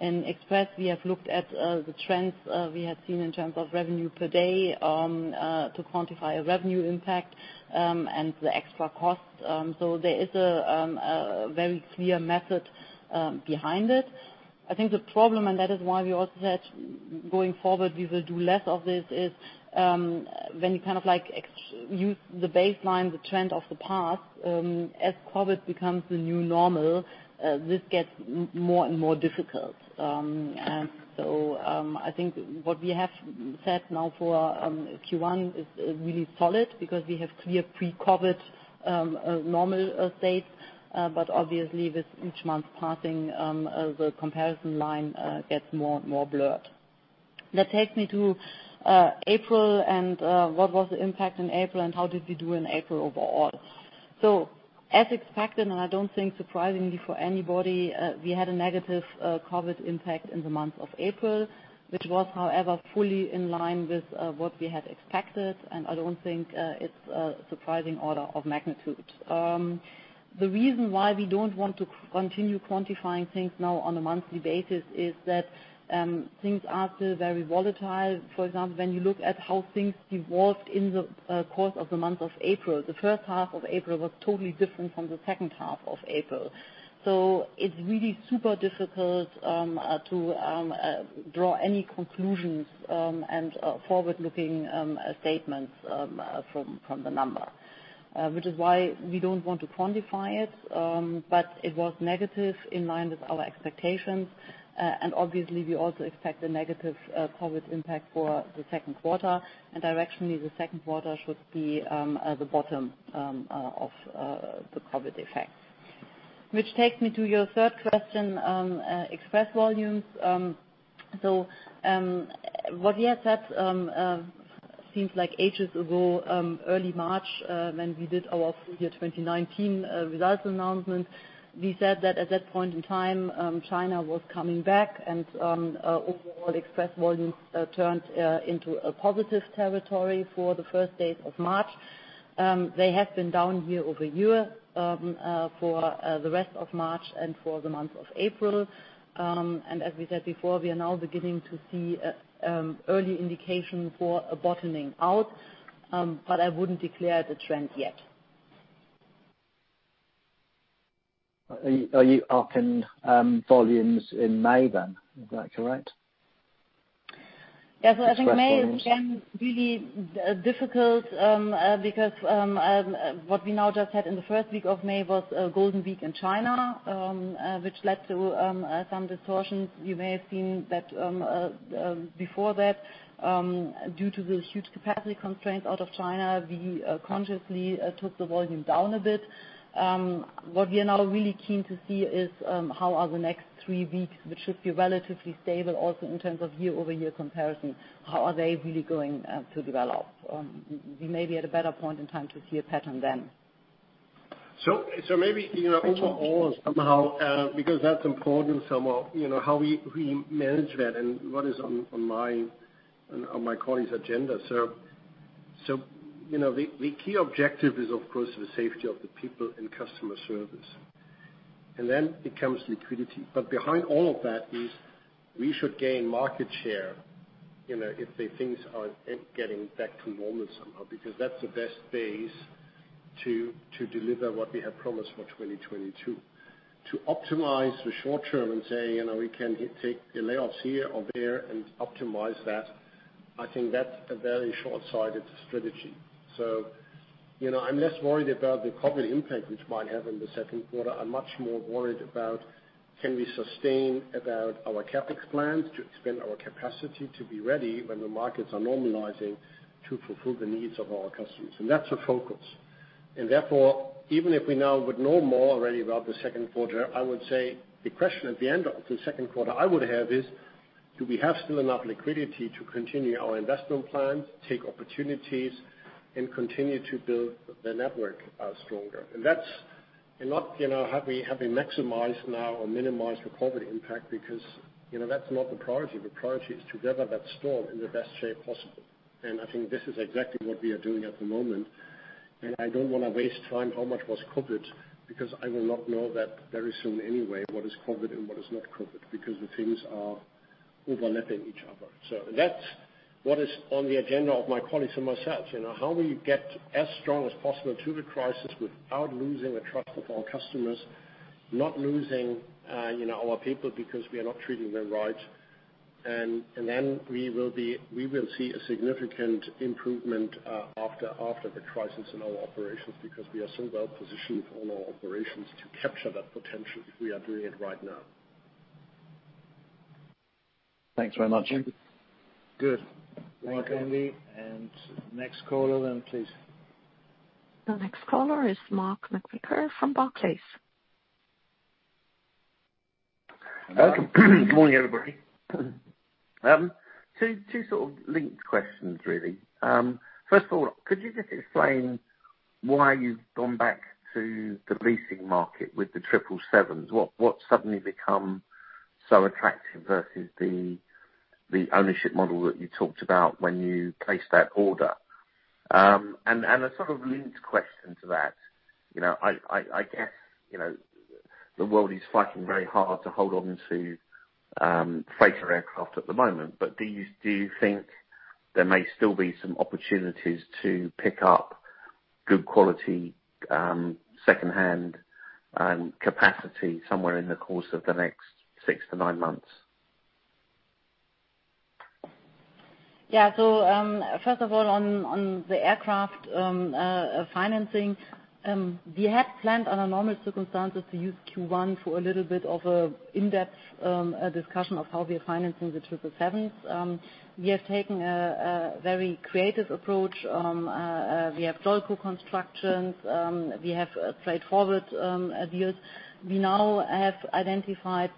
In Express, we have looked at the trends we have seen in terms of revenue per day to quantify a revenue impact and the extra costs. There is a very clear method behind it. I think the problem, and that is why we also said going forward, we will do less of this, is, when you use the baseline, the trend of the past, as COVID becomes the new normal, this gets more and more difficult. I think what we have said now for Q1 is really solid because we have clear pre-COVID normal states. Obviously with each month passing, the comparison line gets more and more blurred. That takes me to April and what was the impact in April and how did we do in April overall. As expected, and I don't think surprisingly for anybody, we had a negative COVID-19 impact in the month of April, which was, however, fully in line with what we had expected, and I don't think it's a surprising order of magnitude. The reason why we don't want to continue quantifying things now on a monthly basis is that things are still very volatile. For example, when you look at how things evolved in the course of the month of April, the first half of April was totally different from the second half of April. It's really super difficult to draw any conclusions and forward-looking statements from the number. Which is why we don't want to quantify it, but it was negative in line with our expectations. Obviously we also expect a negative COVID impact for the second quarter. Directionally, the second quarter should be the bottom of the COVID effects. Which takes me to your third question, Express volumes. What we had said seems like ages ago, early March, when we did our full year 2019 results announcement, we said that at that point in time, China was coming back and overall Express volumes turned into a positive territory for the first days of March. They have been down year-over-year for the rest of March and for the month of April. As we said before, we are now beginning to see a, early indication for a bottoming out, but I wouldn't declare the trend yet. Are you upping volumes in May then? Is that correct? I think May is then really difficult because what we now just had in the first week of May was a Golden Week in China, which led to some distortions. You may have seen that before that, due to the huge capacity constraints out of China, we consciously took the volume down a bit. What we are now really keen to see is how are the next three weeks, which should be relatively stable also in terms of year-over-year comparison, how are they really going to develop? We may be at a better point in time to see a pattern then. Maybe, you know, overall somehow, because that's important somehow, you know, how we manage that and what is on my and on my colleague's agenda. You know, the key objective is, of course, the safety of the people and customer service, and then it comes liquidity. Behind all of that is we should gain market share, you know, if the things are getting back to normal somehow, because that's the best base to deliver what we have promised for 2022. To optimize the short term and say, you know, we can take the layoffs here or there and optimize that, I think that's a very short-sighted strategy. You know, I'm less worried about the COVID impact, which might have in the second quarter. I'm much more worried about can we sustain our CapEx plans to expand our capacity to be ready when the markets are normalizing to fulfill the needs of our customers. That's a focus. Therefore, even if we now would know more already about the second quarter, I would say the question at the end of the second quarter I would have is, do we have still enough liquidity to continue our investment plans, take opportunities, and continue to build the network stronger? That's not, you know, have we maximized now or minimized the COVID impact because, you know, that's not the priority. The priority is to weather that storm in the best shape possible. I think this is exactly what we are doing at the moment. I don't want to waste time how much was COVID, because I will not know that very soon anyway, what is COVID and what is not COVID, because the things are overlapping each other. That's what is on the agenda of my colleagues and myself. You know, how do you get as strong as possible through the crisis without losing the trust of our customers, not losing, you know, our people because we are not treating them right. Then we will see a significant improvement after the crisis in our operations because we are so well-positioned on our operations to capture that potential if we are doing it right now. Thanks very much. Good. Thank you. Welcome. Next caller then, please. The next caller is Mark McVicar from Barclays. Morning, everybody? Two sort of linked questions, really. First of all, could you just explain why you've gone back to the leasing market with the 777s? What's suddenly become so attractive versus the ownership model that you talked about when you placed that order? A sort of linked question to that, you know, I guess, you know, the world is fighting very hard to hold on to freighter aircraft at the moment. Do you think there may still be some opportunities to pick up good quality second-hand capacity somewhere in the course of the next six to nine months? Yeah. So, first of all, on the aircraft financing, we had planned under normal circumstances to use Q1 for a little bit of a in-depth discussion of how we are financing the 777s. We have taken a very creative approach, we have JOLCO constructions, we have straightforward deals. We now have identified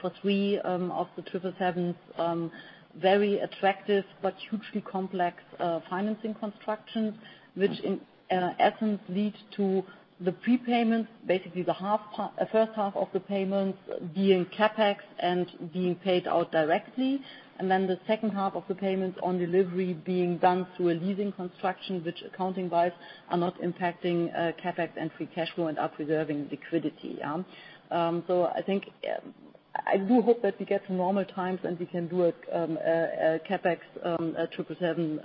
for three of the 777s very attractive but hugely complex financing constructions, which in essence lead to the prepayment, basically the first half of the payments being CapEx and being paid out directly, and then the second half of the payments on delivery being done through a leasing construction, which accounting-wise are not impacting CapEx and free cash flow and are preserving liquidity. I think, I do hope that we get to normal times, and we can do a CapEx, a 777,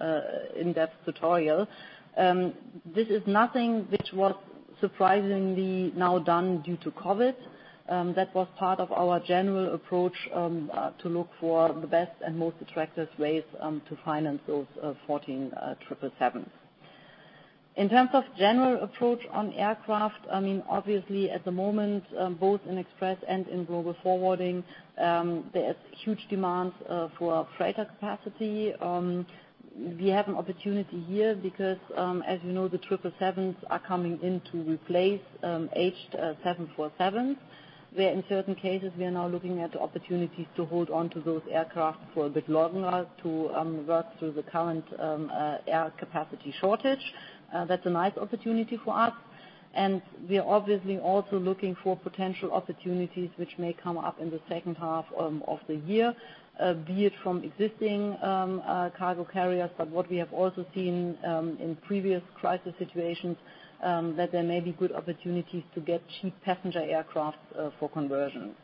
in-depth tutorial. This is nothing which was surprisingly now done due to COVID. That was part of our general approach to look for the best and most attractive ways to finance those 14 777s. In terms of general approach on aircraft, I mean, obviously at the moment, both in Express and in Global Forwarding, there's huge demands for freighter capacity. We have an opportunity here because, as you know, the 777s are coming in to replace aged 747s, where in certain cases we are now looking at opportunities to hold onto those aircraft for a bit longer to work through the current air capacity shortage. That's a nice opportunity for us. We are obviously also looking for potential opportunities which may come up in the second half of the year, be it from existing cargo carriers. What we have also seen, in previous crisis situations, that there may be good opportunities to get cheap passenger aircraft for conversion.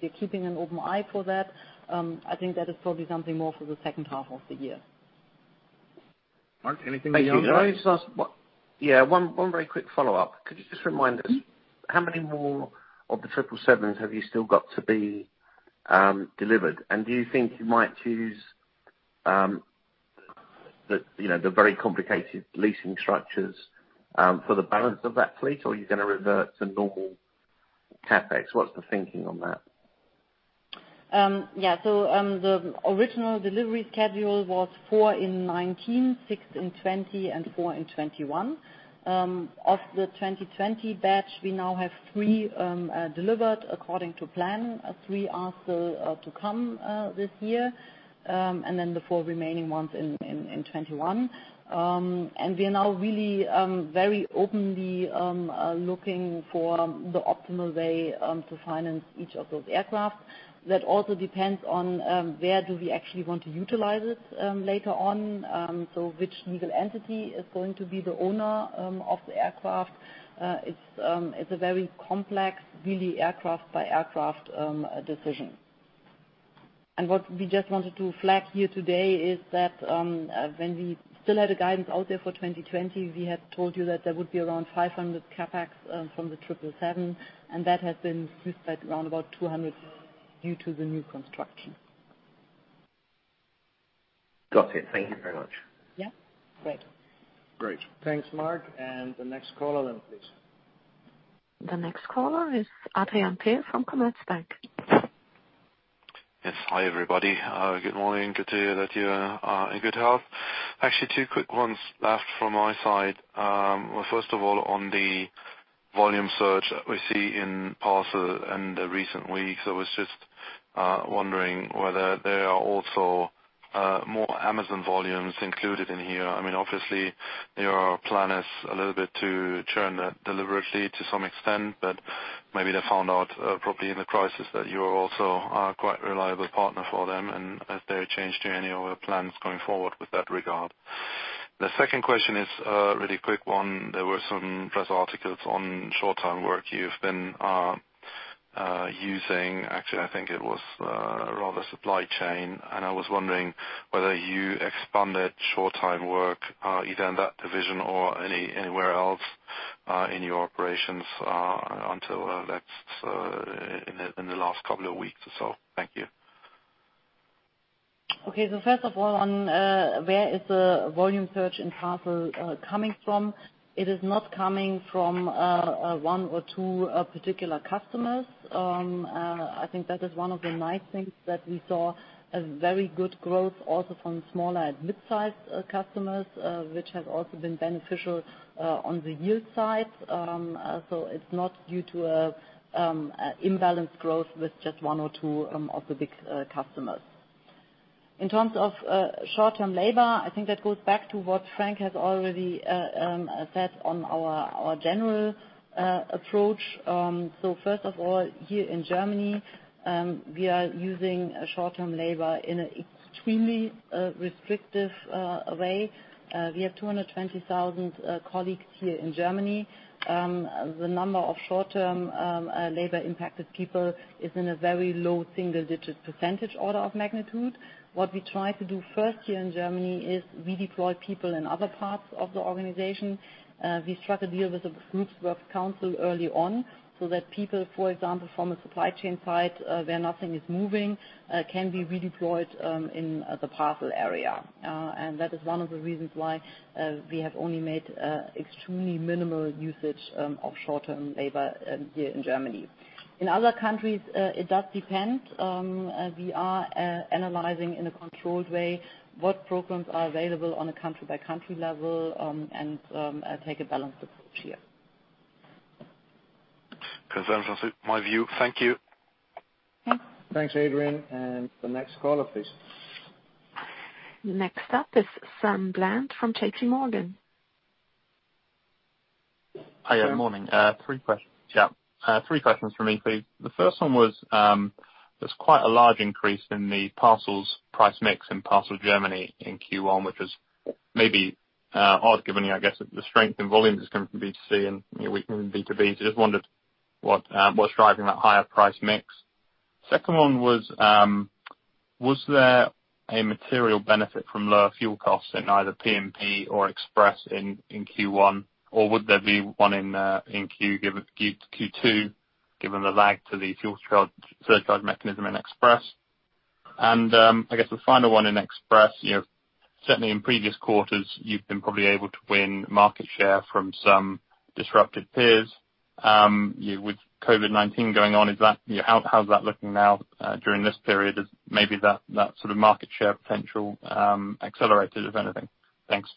We're keeping an open eye for that. I think that is probably something more for the second half of the year. Mark, anything beyond that? Thank you. Can I just ask one very quick follow-up. Could you just remind us how many more of the 777 have you still got to be delivered? Do you think you might choose, you know, the very complicated leasing structures for the balance of that fleet? Are you gonna revert to normal CapEx? What's the thinking on that? The original delivery schedule was four in 2019, six in 2020, and four in 2021. Of the 2020 batch, we now have three delivered according to plan. Three are still to come this year. The four remaining ones in 2021. We are now really very openly looking for the optimal way to finance each of those aircraft. That also depends on where do we actually want to utilize it later on. Which legal entity is going to be the owner of the aircraft. It's a very complex, really aircraft by aircraft decision. What we just wanted to flag here today is that when we still had a guidance out there for 2020, we had told you that there would be around 500 CapEx from the Boeing 777, and that has been pushed back roundabout 200 due to the new construction. Got it. Thank you very much. Yeah. Great. Great. Thanks, Mark. The next caller then, please. The next caller is Adrian Pehl from Commerzbank. Yes. Hi, everybody. Good morning? Good to hear that you're in good health. Actually, two quick ones left from my side. Well, first of all, on the volume surge that we see in parcel in the recent weeks, I was just wondering whether there are also more Amazon volumes included in here. I mean, obviously your plan is a little bit to churn that deliberately to some extent, but maybe they found out probably in the crisis that you're also a quite reliable partner for them, and if there a change to any of the plans going forward with that regard. The second question is a really quick one. There were some press articles on short-term work you've been using. Actually, I think it was, rather supply chain, and I was wondering whether you expanded short-term work, either in that division or anywhere else, in your operations, in the last couple of weeks or so. Thank you. Okay. First of all, on where is the volume surge in parcel coming from? It is not coming from one or two particular customers. I think that is one of the nice things that we saw a very good growth also from smaller and mid-sized customers, which has also been beneficial on the yield side. It's not due to a imbalanced growth with just one or two of the big customers. In terms of short-term labor, I think that goes back to what Frank has already said on our general approach. First of all, here in Germany, we are using short-term labor in a extremely restrictive way. We have 220,000 colleagues here in Germany. The number of short-term labor impacted people is in a very low single-digit % order of magnitude. What we try to do first here in Germany is redeploy people in other parts of the organization. We struck a deal with the group's works council early on, so that people, for example, from a supply chain side, where nothing is moving, can be redeployed in the parcel area. That is one of the reasons why we have only made extremely minimal usage of short-term labor here in Germany. In other countries, it does depend. We are analyzing in a controlled way what programs are available on a country by country level, and take a balanced approach here. Confirmations my view. Thank you. Thanks. Thanks, Adrian. The next caller, please. Next up is Sam Bland from JPMorgan. Hiya. Morning. Three questions from me, please. The first one was, there's quite a large increase in the parcels price mix in Parcel Germany in Q1, which is maybe odd given, I guess, the strength in volume that's coming from B2C and, you know, weak in B2B. Just wondered what's driving that higher price mix. Second one was there a material benefit from lower fuel costs in either P&P or Express in Q1, or would there be one in Q2, given the lag to the fuel surcharge mechanism in Express? I guess the final one in Express, you know, certainly in previous quarters, you've been probably able to win market share from some disrupted peers. You know, with COVID-19 going on, is that, you know, how's that looking now, during this period? Has maybe that sort of market share potential, accelerated, if anything? Thanks.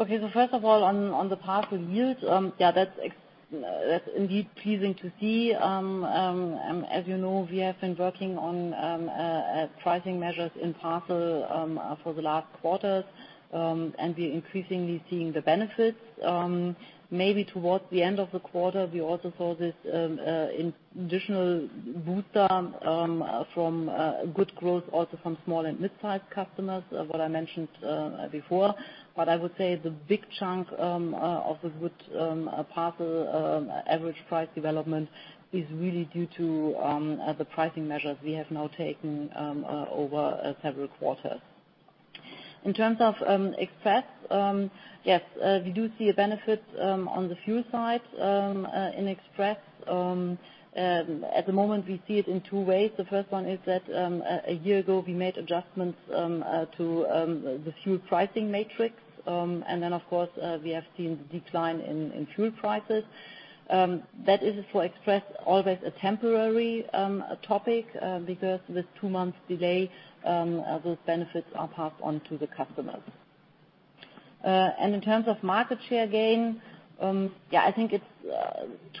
Okay. First of all, on the parcel yields, that's indeed pleasing to see. As you know, we have been working on pricing measures in parcel for the last quarters, and we're increasingly seeing the benefits. Maybe towards the end of the quarter, we also saw this in additional boost from good growth also from small and mid-sized customers, what I mentioned before. I would say the big chunk of the good parcel average price development is really due to the pricing measures we have now taken over several quarters. In terms of Express, yes, we do see a benefit on the fuel side in Express. At the moment, we see it in two ways. The first one is that a year ago we made adjustments to the fuel pricing matrix. Of course, we have seen the decline in fuel prices. That is for Express always a temporary topic, because with two months delay, those benefits are passed on to the customers. In terms of market share gain, I think it's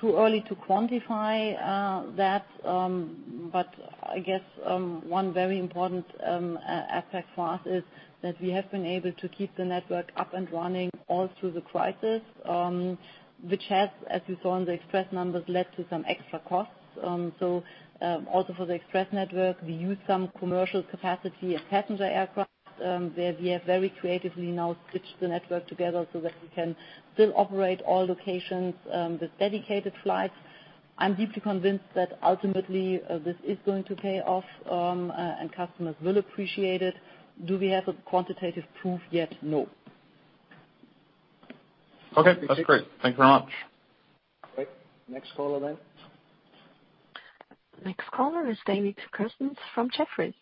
too early to quantify that. I guess one very important aspect for us is that we have been able to keep the network up and running all through the crisis, which has, as you saw in the Express numbers, led to some extra costs. Also for the Express network, we use some commercial capacity as passenger aircraft, where we have very creatively now stitched the network together so that we can still operate all locations with dedicated flights. I'm deeply convinced that ultimately, this is going to pay off, and customers will appreciate it. Do we have a quantitative proof yet? No. Okay. That's great. Thanks very much. Great. Next caller then. Next caller is David Kerstens from Jefferies.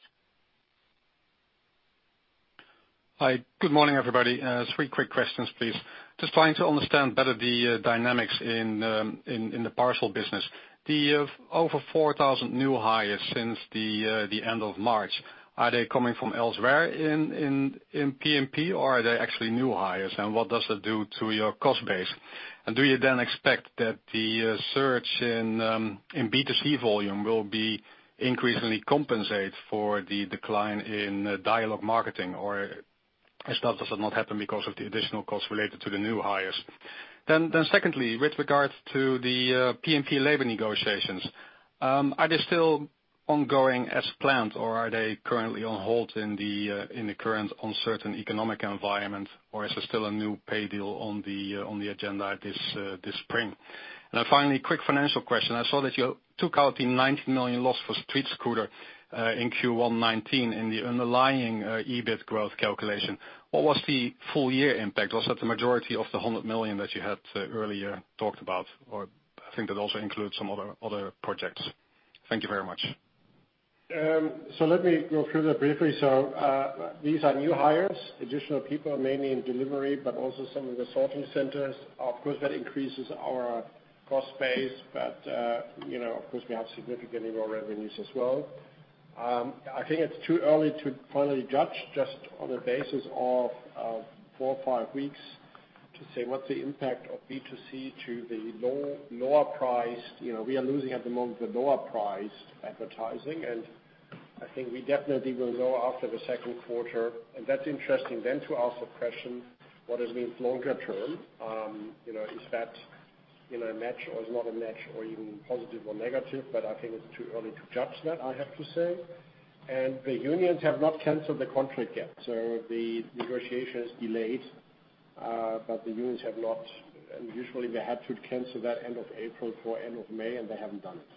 Hi. Good morning, everybody? Three quick questions, please. Just trying to understand better the dynamics in the Parcel business. The over 4,000 new hires since the end of March, are they coming from elsewhere in P&P or are they actually new hires? What does it do to your cost base? Do you then expect that the surge in B2C volume will be increasingly compensate for the decline in Dialogue Marketing or is that does it not happen because of the additional costs related to the new hires? Secondly, with regards to the P&P labor negotiations, are they still ongoing as planned, or are they currently on hold in the current uncertain economic environment or is there still a new pay deal on the agenda this spring? Finally, quick financial question. I saw that you took out the 90 million loss for StreetScooter in Q1 2019 in the underlying EBIT growth calculation. What was the full year impact? Was that the majority of the 100 million that you had earlier talked about? I think that also includes some other projects. Thank you very much. Let me go through that briefly. These are new hires, additional people, mainly in delivery, but also some of the sorting centers. Of course, that increases our cost base. You know, of course, we have significantly more revenues as well. I think it's too early to finally judge just on the basis of four or five weeks to say what's the impact of B2C to the low, lower priced. You know, we are losing at the moment the lower priced advertising, and I think we definitely will know after the second quarter. That's interesting then to ask the question, what does it mean longer term? You know, is that, you know, a match or is not a match or even positive or negative? I think it's too early to judge that, I have to say. The unions have not canceled the contract yet. The negotiation is delayed, but the unions have not. Usually they had to cancel that end of April for end of May, and they haven't done it.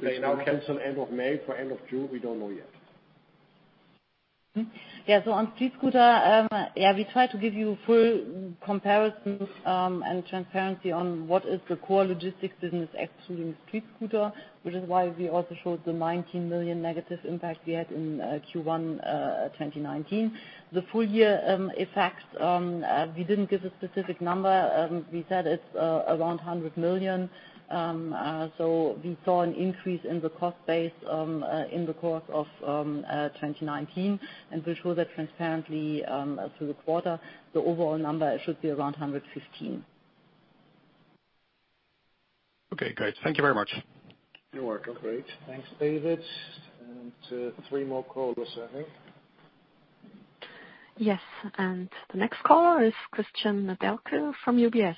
Do they now cancel end of May for end of June? We don't know yet. On StreetScooter, we try to give you full comparisons and transparency on what is the core logistics business excluding StreetScooter, which is why we also showed the 19 million negative impact we had in Q1 2019. The full year effects, we didn't give a specific number. We said it's around 100 million. We saw an increase in the cost base in the course of 2019, and we show that transparently through the quarter. The overall number should be around 115 million. Okay, great. Thank you very much. You're welcome. Great. Thanks, David. Three more callers, I think. Yes. The next caller is Cristian Nedelcu from UBS.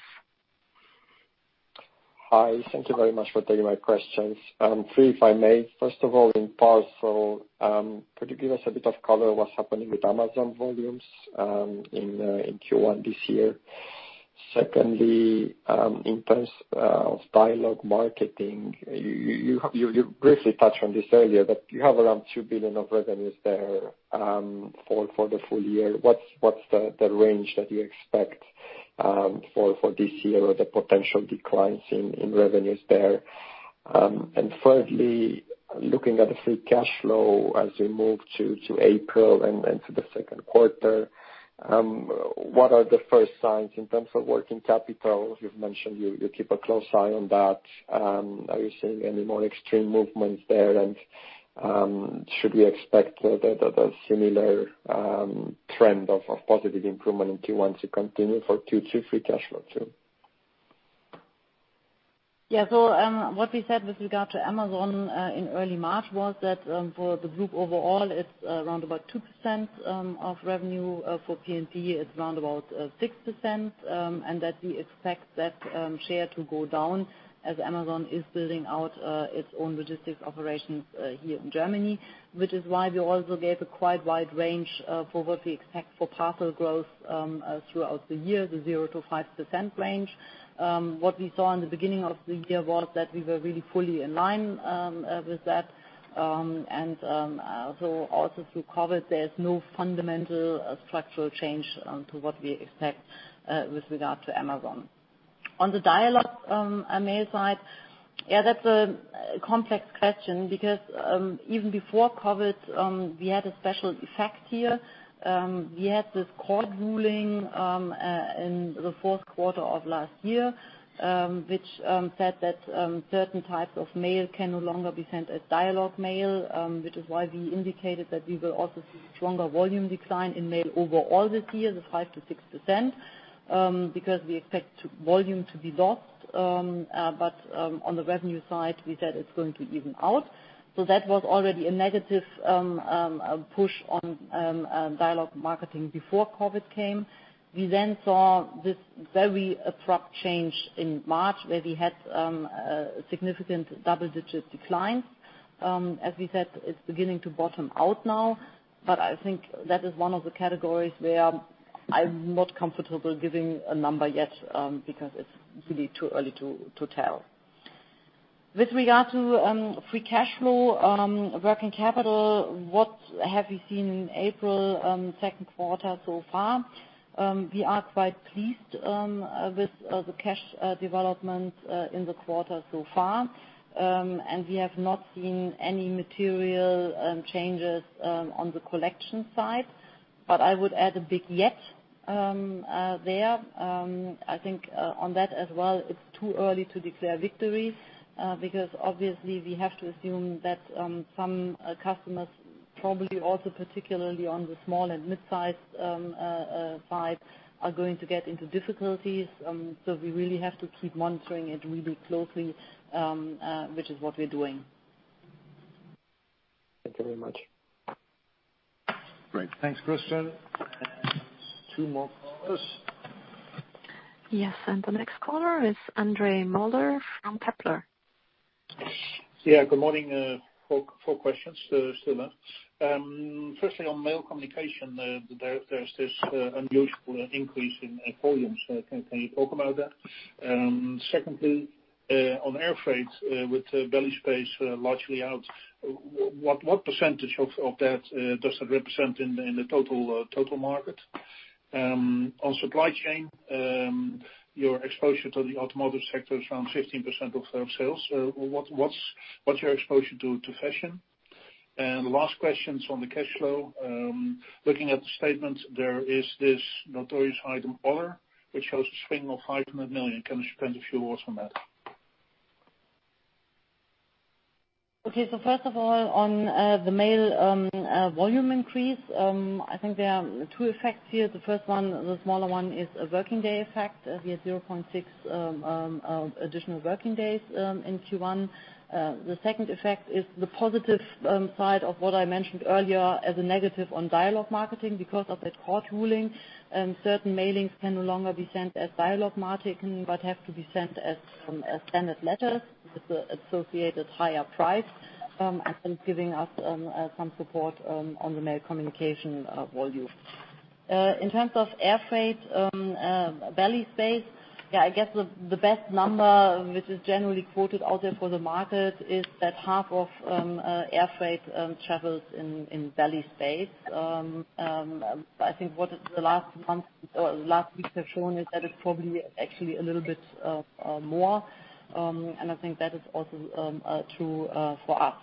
Hi. Thank you very much for taking my questions. Three, if I may. First of all, in Parcel, could you give us a bit of color what's happening with Amazon volumes in Q1 this year? Secondly, in terms of Dialogue Marketing, you briefly touched on this earlier, you have around 2 billion of revenues there for the full year. What's the range that you expect for this year or the potential declines in revenues there? Thirdly, looking at the free cash flow as we move to April and to the second quarter, what are the first signs in terms of working capital? You've mentioned you keep a close eye on that. Are you seeing any more extreme movements there? Should we expect the similar trend of positive improvement in Q1 to continue for Q2 free cash flow too? Yeah. What we said with regard to Amazon in early March was that for the group overall, it's around about 2% of revenue. For P&P, it's around about 6%, and that we expect that share to go down as Amazon is building out its own logistics operations here in Germany, which is why we also gave a quite wide range for what we expect for Parcel growth throughout the year, the 0%-5% range. What we saw in the beginning of the year was that we were really fully in line with that. Also through COVID-19, there's no fundamental structural change to what we expect with regard to Amazon. On the Dialogue Mail side, even before COVID-19, we had a special effect here. We had this court ruling in the fourth quarter of last year, which said that certain types of mail can no longer be sent as Dialogue Mail, which is why we indicated that we will also see stronger volume decline in mail over all this year, the 5%-6%, because we expect volume to be lost. On the revenue side, we said it's going to even out. That was already a negative push on Dialogue Marketing before COVID-19 came. We saw this very abrupt change in March, where we had significant double-digit declines. As we said, it's beginning to bottom out now, but I think that is one of the categories where I'm not comfortable giving a number yet, because it's really too early to tell. With regard to free cash flow, working capital, what have you seen April, second quarter so far? We are quite pleased with the cash development in the quarter so far. We have not seen any material changes on the collection side. I would add a big yet there. I think on that as well, it's too early to declare victories, because obviously we have to assume that some customers probably also, particularly on the small and mid-size side, are going to get into difficulties. We really have to keep monitoring it really closely, which is what we're doing. Thank you very much. Great. Thanks, Cristian. Two more callers. Yes, the next caller is Andre Mulder from Kepler. Yeah, good morning? Four questions, [inaudible] Firstly, on Mail Communication, there's this unusual increase in volume. Can you talk about that? Secondly, on air freight, with belly space largely out, what percentage of that does that represent in the total market? On supply chain, your exposure to the automotive sector is around 15% of sales. What's your exposure to fashion? Last question is on the cash flow. Looking at the statement, there is this notorious item, Other, which shows a swing of 500 million. Can you spend a few words on that? Okay. First of all, on the mail volume increase, I think there are two effects here. The first one, the smaller one, is a working day effect. We have 0.6% additional working days in Q1. The second effect is the positive side of what I mentioned earlier as a negative on Dialogue Marketing. Because of that court ruling, certain mailings can no longer be sent as Dialogue Marketing, but have to be sent as a standard letter with the associated higher price, and giving us some support on the Mail Communication volume. In terms of air freight, belly space, I guess the best number which is generally quoted out there for the market is that half of air freight travels in belly space. I think what the last month or last week have shown is that it's probably actually a little bit more, and I think that is also true for us.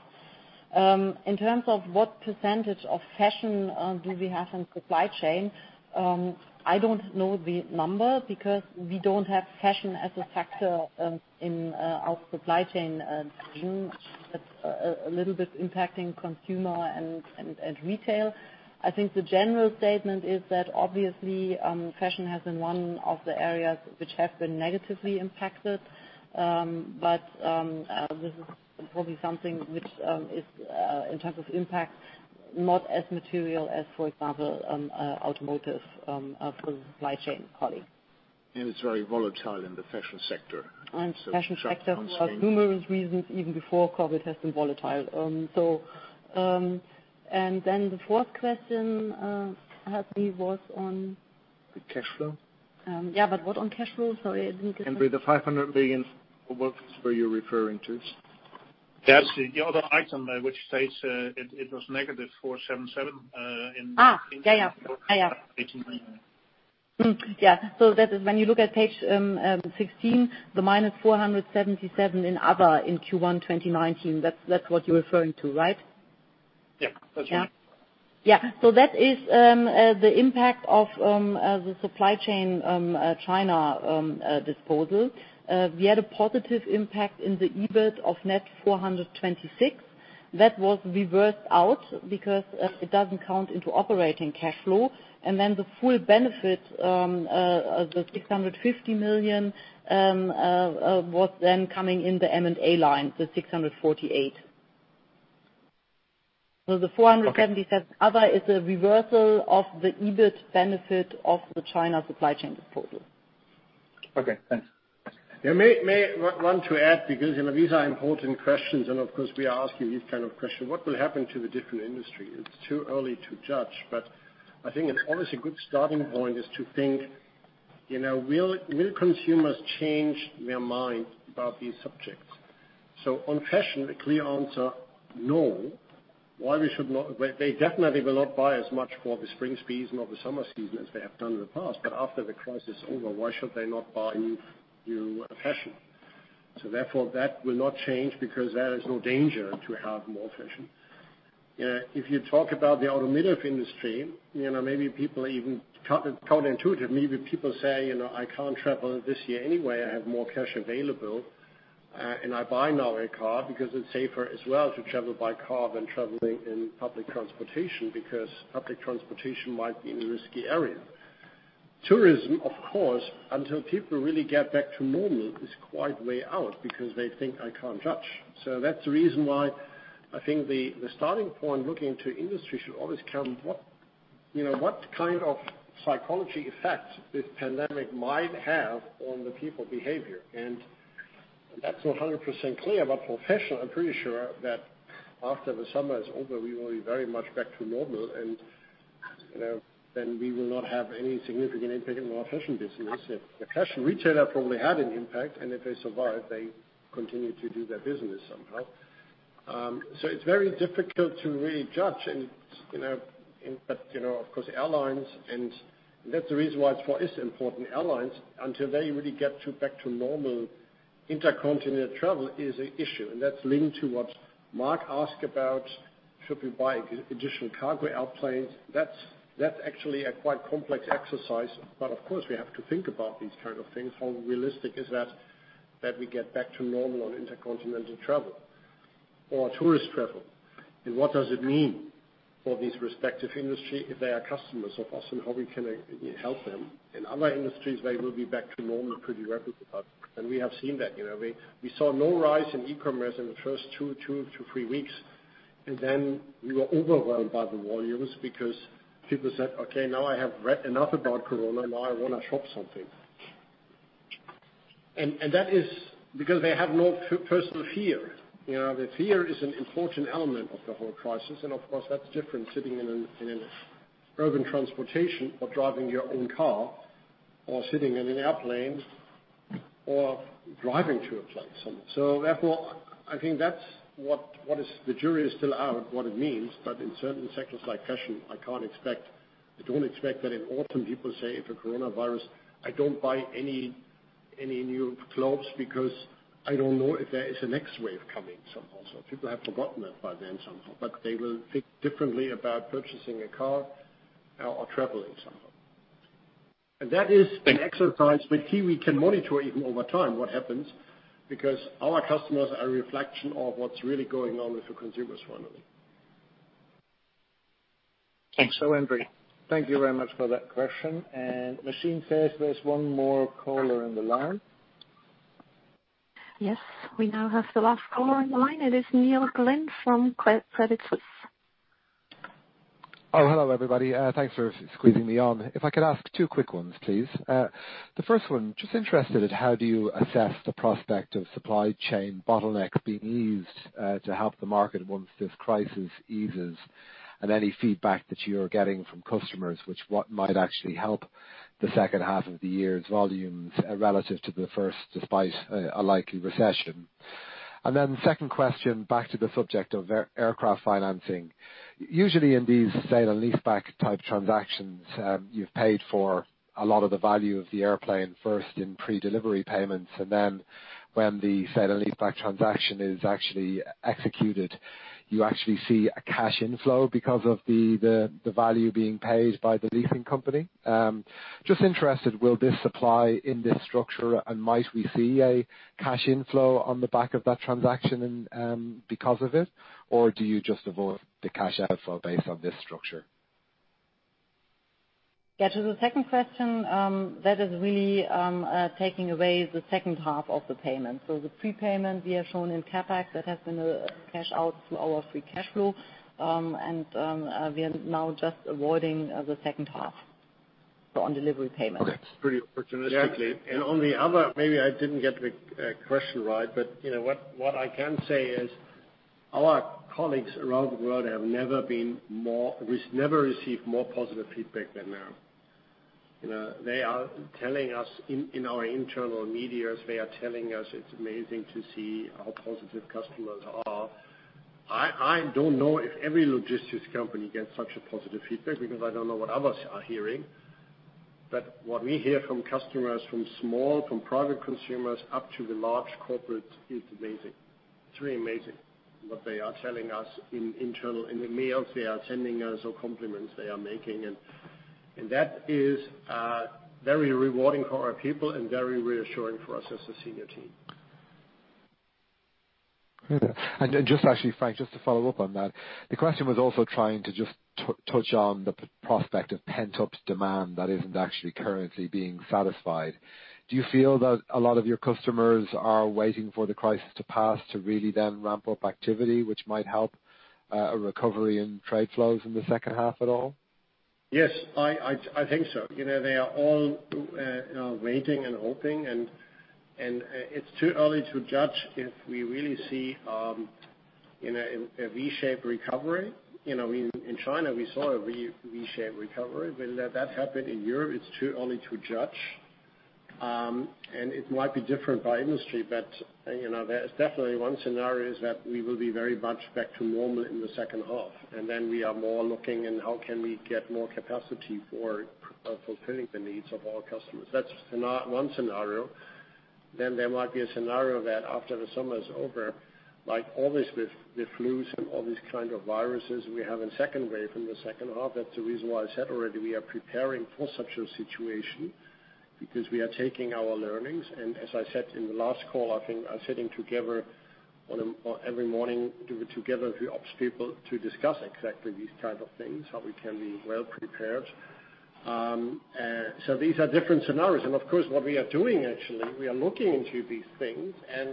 In terms of what percentage of fashion do we have in supply chain, I don't know the number because we don't have fashion as a factor in our supply chain division. That's a little bit impacting consumer and retail. I think the general statement is that obviously, fashion has been one of the areas which have been negatively impacted. This is probably something which is in terms of impact, not as material as, for example, automotive of the supply chain colleague. It's very volatile in the fashion sector. Fashion sector I'ds check constantly. For numerous reasons, even before COVID, has been volatile. The fourth question, help me. The cash flow. Yeah, what on cash flow? Sorry, I didn't get the- Andre, the 500 million, what were you referring to? That's the other item, which states, it was -477 million. Yeah, yeah. Yeah, yeah. EUR 18 million. Yeah. That is when you look at page 16, the - 477 million in Other in Q1 2019. That's what you're referring to, right? Yeah. That's right. Yeah. Yeah. So that is the impact of the supply chain China disposal. We had a positive impact in the EBIT of net 426 million. That was reversed out because it doesn't count into operating cash flow. Then the full benefit of the 650 million was then coming in the M&A line, the 648 million. The 477 million Okay. Other is a reversal of the EBIT benefit of the China supply chain disposal. Okay. Thanks. You may want to add, because, you know, these are important questions and of course we are asking these kind of questions. What will happen to the different industry? It's too early to judge, but I think it's always a good starting point is to think, you know, will consumers change their mind about these subjects? On fashion, a clear answer, no. Well, they definitely will not buy as much for the spring season or the summer season as they have done in the past, but after the crisis is over, why should they not buy new fashion? Therefore, that will not change because there is no danger to have more fashion. If you talk about the automotive industry, you know, maybe people even counterintuitively, maybe people say, you know, I can't travel this year anyway. I have more cash available, and I buy now a car because it's safer as well to travel by car than traveling in public transportation, because public transportation might be in a risky area. Tourism, of course, until people really get back to normal, is quite way out because they think I can't judge. That's the reason why I think the starting point looking into industry should always count what, you know, what kind of psychology effect this pandemic might have on the people behavior. That's not 100% clear. For fashion, I'm pretty sure that after the summer is over, we will be very much back to normal and, you know, then we will not have any significant impact in our fashion business. If the fashion retailer probably had an impact, and if they survive, they continue to do their business somehow. It's very difficult to really judge and, you know But you know, of course, airlines and that's the reason why it's important. Airlines, until they really get to back to normal, intercontinental travel is a issue, and that's linked to what Mark asked about, should we buy additional cargo airplanes? That's actually a quite complex exercise. Of course, we have to think about these kind of things. How realistic is that we get back to normal on intercontinental travel or tourist travel? What does it mean for these respective industry if they are customers of ours, and how we can help them? In other industries, they will be back to normal pretty rapidly. We have seen that, you know. We saw no rise in E-commerce in the first two to three weeks, and then we were overwhelmed by the volumes because people said, okay, now I have read enough about Corona. Now I wanna shop something. That is because they have no personal fear. You know, the fear is an important element of the whole crisis. Of course, that's different sitting in an urban transportation or driving your own car or sitting in an airplane or driving to a place somehow. Therefore, I think that's what is, the jury is still out what it means, but in certain sectors like fashion, I don't expect that in autumn people say, if a coronavirus, I don't buy any new clothes because I don't know if there is a next wave coming somehow. People have forgotten that by then somehow, but they will think differently about purchasing a car or traveling somehow. That is an exercise, but here we can monitor even over time what happens because our customers are a reflection of what's really going on with the consumers finally. Thanks. Andre Mulder, thank you very much for that question. machine says there's one more caller in the line. Yes. We now have the last caller in line. It is Neil Glynn from Credit Suisse. Oh, hello, everybody? Thanks for squeezing me on. If I could ask two quick ones, please. The first one, just interested at how do you assess the prospect of supply chain bottleneck being eased, to help the market once this crisis eases, and any feedback that you're getting from customers, what might actually help the second half of the year's volumes relative to the first, despite a likely recession. Second question, back to the subject of aircraft financing. Usually in these sale and lease back type transactions, you've paid for a lot of the value of the airplane first in pre-delivery payments, when the sale and lease back transaction is actually executed, you actually see a cash inflow because of the value being paid by the leasing company. Just interested, will this apply in this structure? Might we see a cash inflow on the back of that transaction and, because of it, or do you just avoid the cash outflow based on this structure? Yeah, to the second question, that is really taking away the second half of the payment. The prepayment we have shown in CapEx, that has been cash out through our free cash flow, and we are now just avoiding the second half, so on delivery payment. Okay. Pretty opportunistically. On the other, maybe I didn't get the question right, but you know, what I can say is our colleagues around the world have never received more positive feedback than now. You know, they are telling us in our internal medias, they are telling us it's amazing to see how positive customers are. I don't know if every logistics company gets such a positive feedback because I don't know what others are hearing. What we hear from customers, from small, from private consumers up to the large corporates, it's amazing. It's really amazing what they are telling us in internal, in the mails they are sending us or compliments they are making. That is very rewarding for our people and very reassuring for us as a senior team. Okay. Just actually, Frank, just to follow up on that, the question was also trying to just touch on the prospect of pent-up demand that isn't actually currently being satisfied. Do you feel that a lot of your customers are waiting for the crisis to pass to really then ramp up activity, which might help a recovery in trade flows in the second half at all? Yes. I think so. You know, they are all waiting and hoping, and it's too early to judge if we really see in a V-shaped recovery. You know, in China we saw a V-shaped recovery. Will that happen in Europe? It's too early to judge. It might be different by industry, but, you know, there's definitely one scenario is that we will be very much back to normal in the second half, and then we are more looking in how can we get more capacity for fulfilling the needs of our customers. That's one scenario. There might be a scenario that after the summer is over, like always with flus and all these kind of viruses, we have a second wave in the second half. That's the reason why I said already we are preparing for such a situation because we are taking our learnings. As I said in the last call, I think I was sitting together every morning together with the ops people to discuss exactly these type of things, how we can be well prepared. These are different scenarios. Of course, what we are doing actually, we are looking into these things and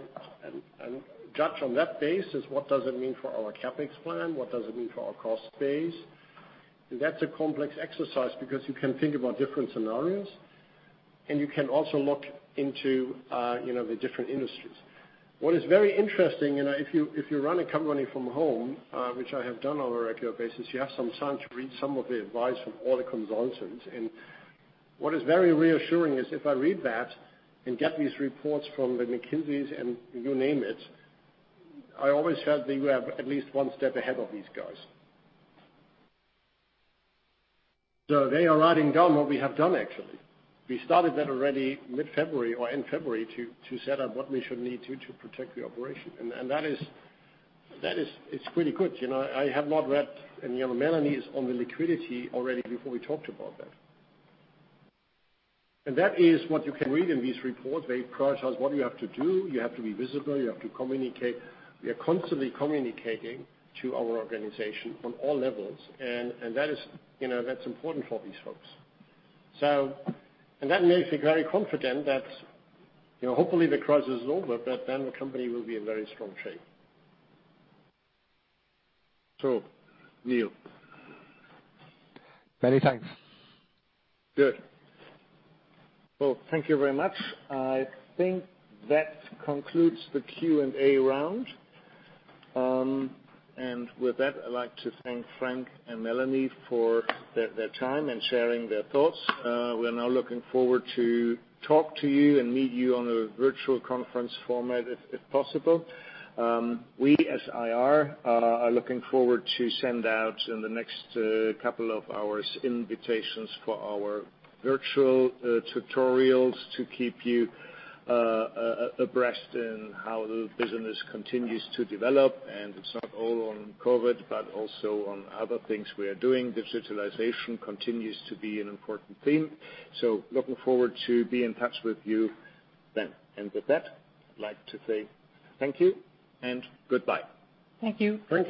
judge on that basis what does it mean for our CapEx plan, what does it mean for our cost base? That's a complex exercise because you can think about different scenarios, and you can also look into, you know, the different industries. What is very interesting, you know, if you run a company from home, which I have done on a regular basis, you have some time to read some of the advice from all the consultants. What is very reassuring is if I read that and get these reports from the McKinseys and you name it, I always felt that you have at least one step ahead of these guys. They are writing down what we have done actually. We started that already mid-February or in February to set up what we should need to protect the operation. That is, it's really good. You know, I have not read, you know, Melanie is on the liquidity already before we talked about that. That is what you can read in these reports. They prioritize what you have to do. You have to be visible, you have to communicate. We are constantly communicating to our organization on all levels, and that is, you know, that's important for these folks. That makes me very confident that, you know, hopefully the crisis is over, the company will be in very strong shape. Neil. Many thanks. Good. Well, thank you very much. I think that concludes the Q&A round. With that, I'd like to thank Frank and Melanie for their time and sharing their thoughts. We are now looking forward to talk to you and meet you on a virtual conference format if possible. We as IR are looking forward to send out in the next couple of hours invitations for our virtual tutorials to keep you abreast in how the business continues to develop. It's not all on COVID, but also on other things we are doing. Digitalization continues to be an important theme. Looking forward to be in touch with you then. With that, I'd like to say thank you and goodbye. Thank you. Thanks.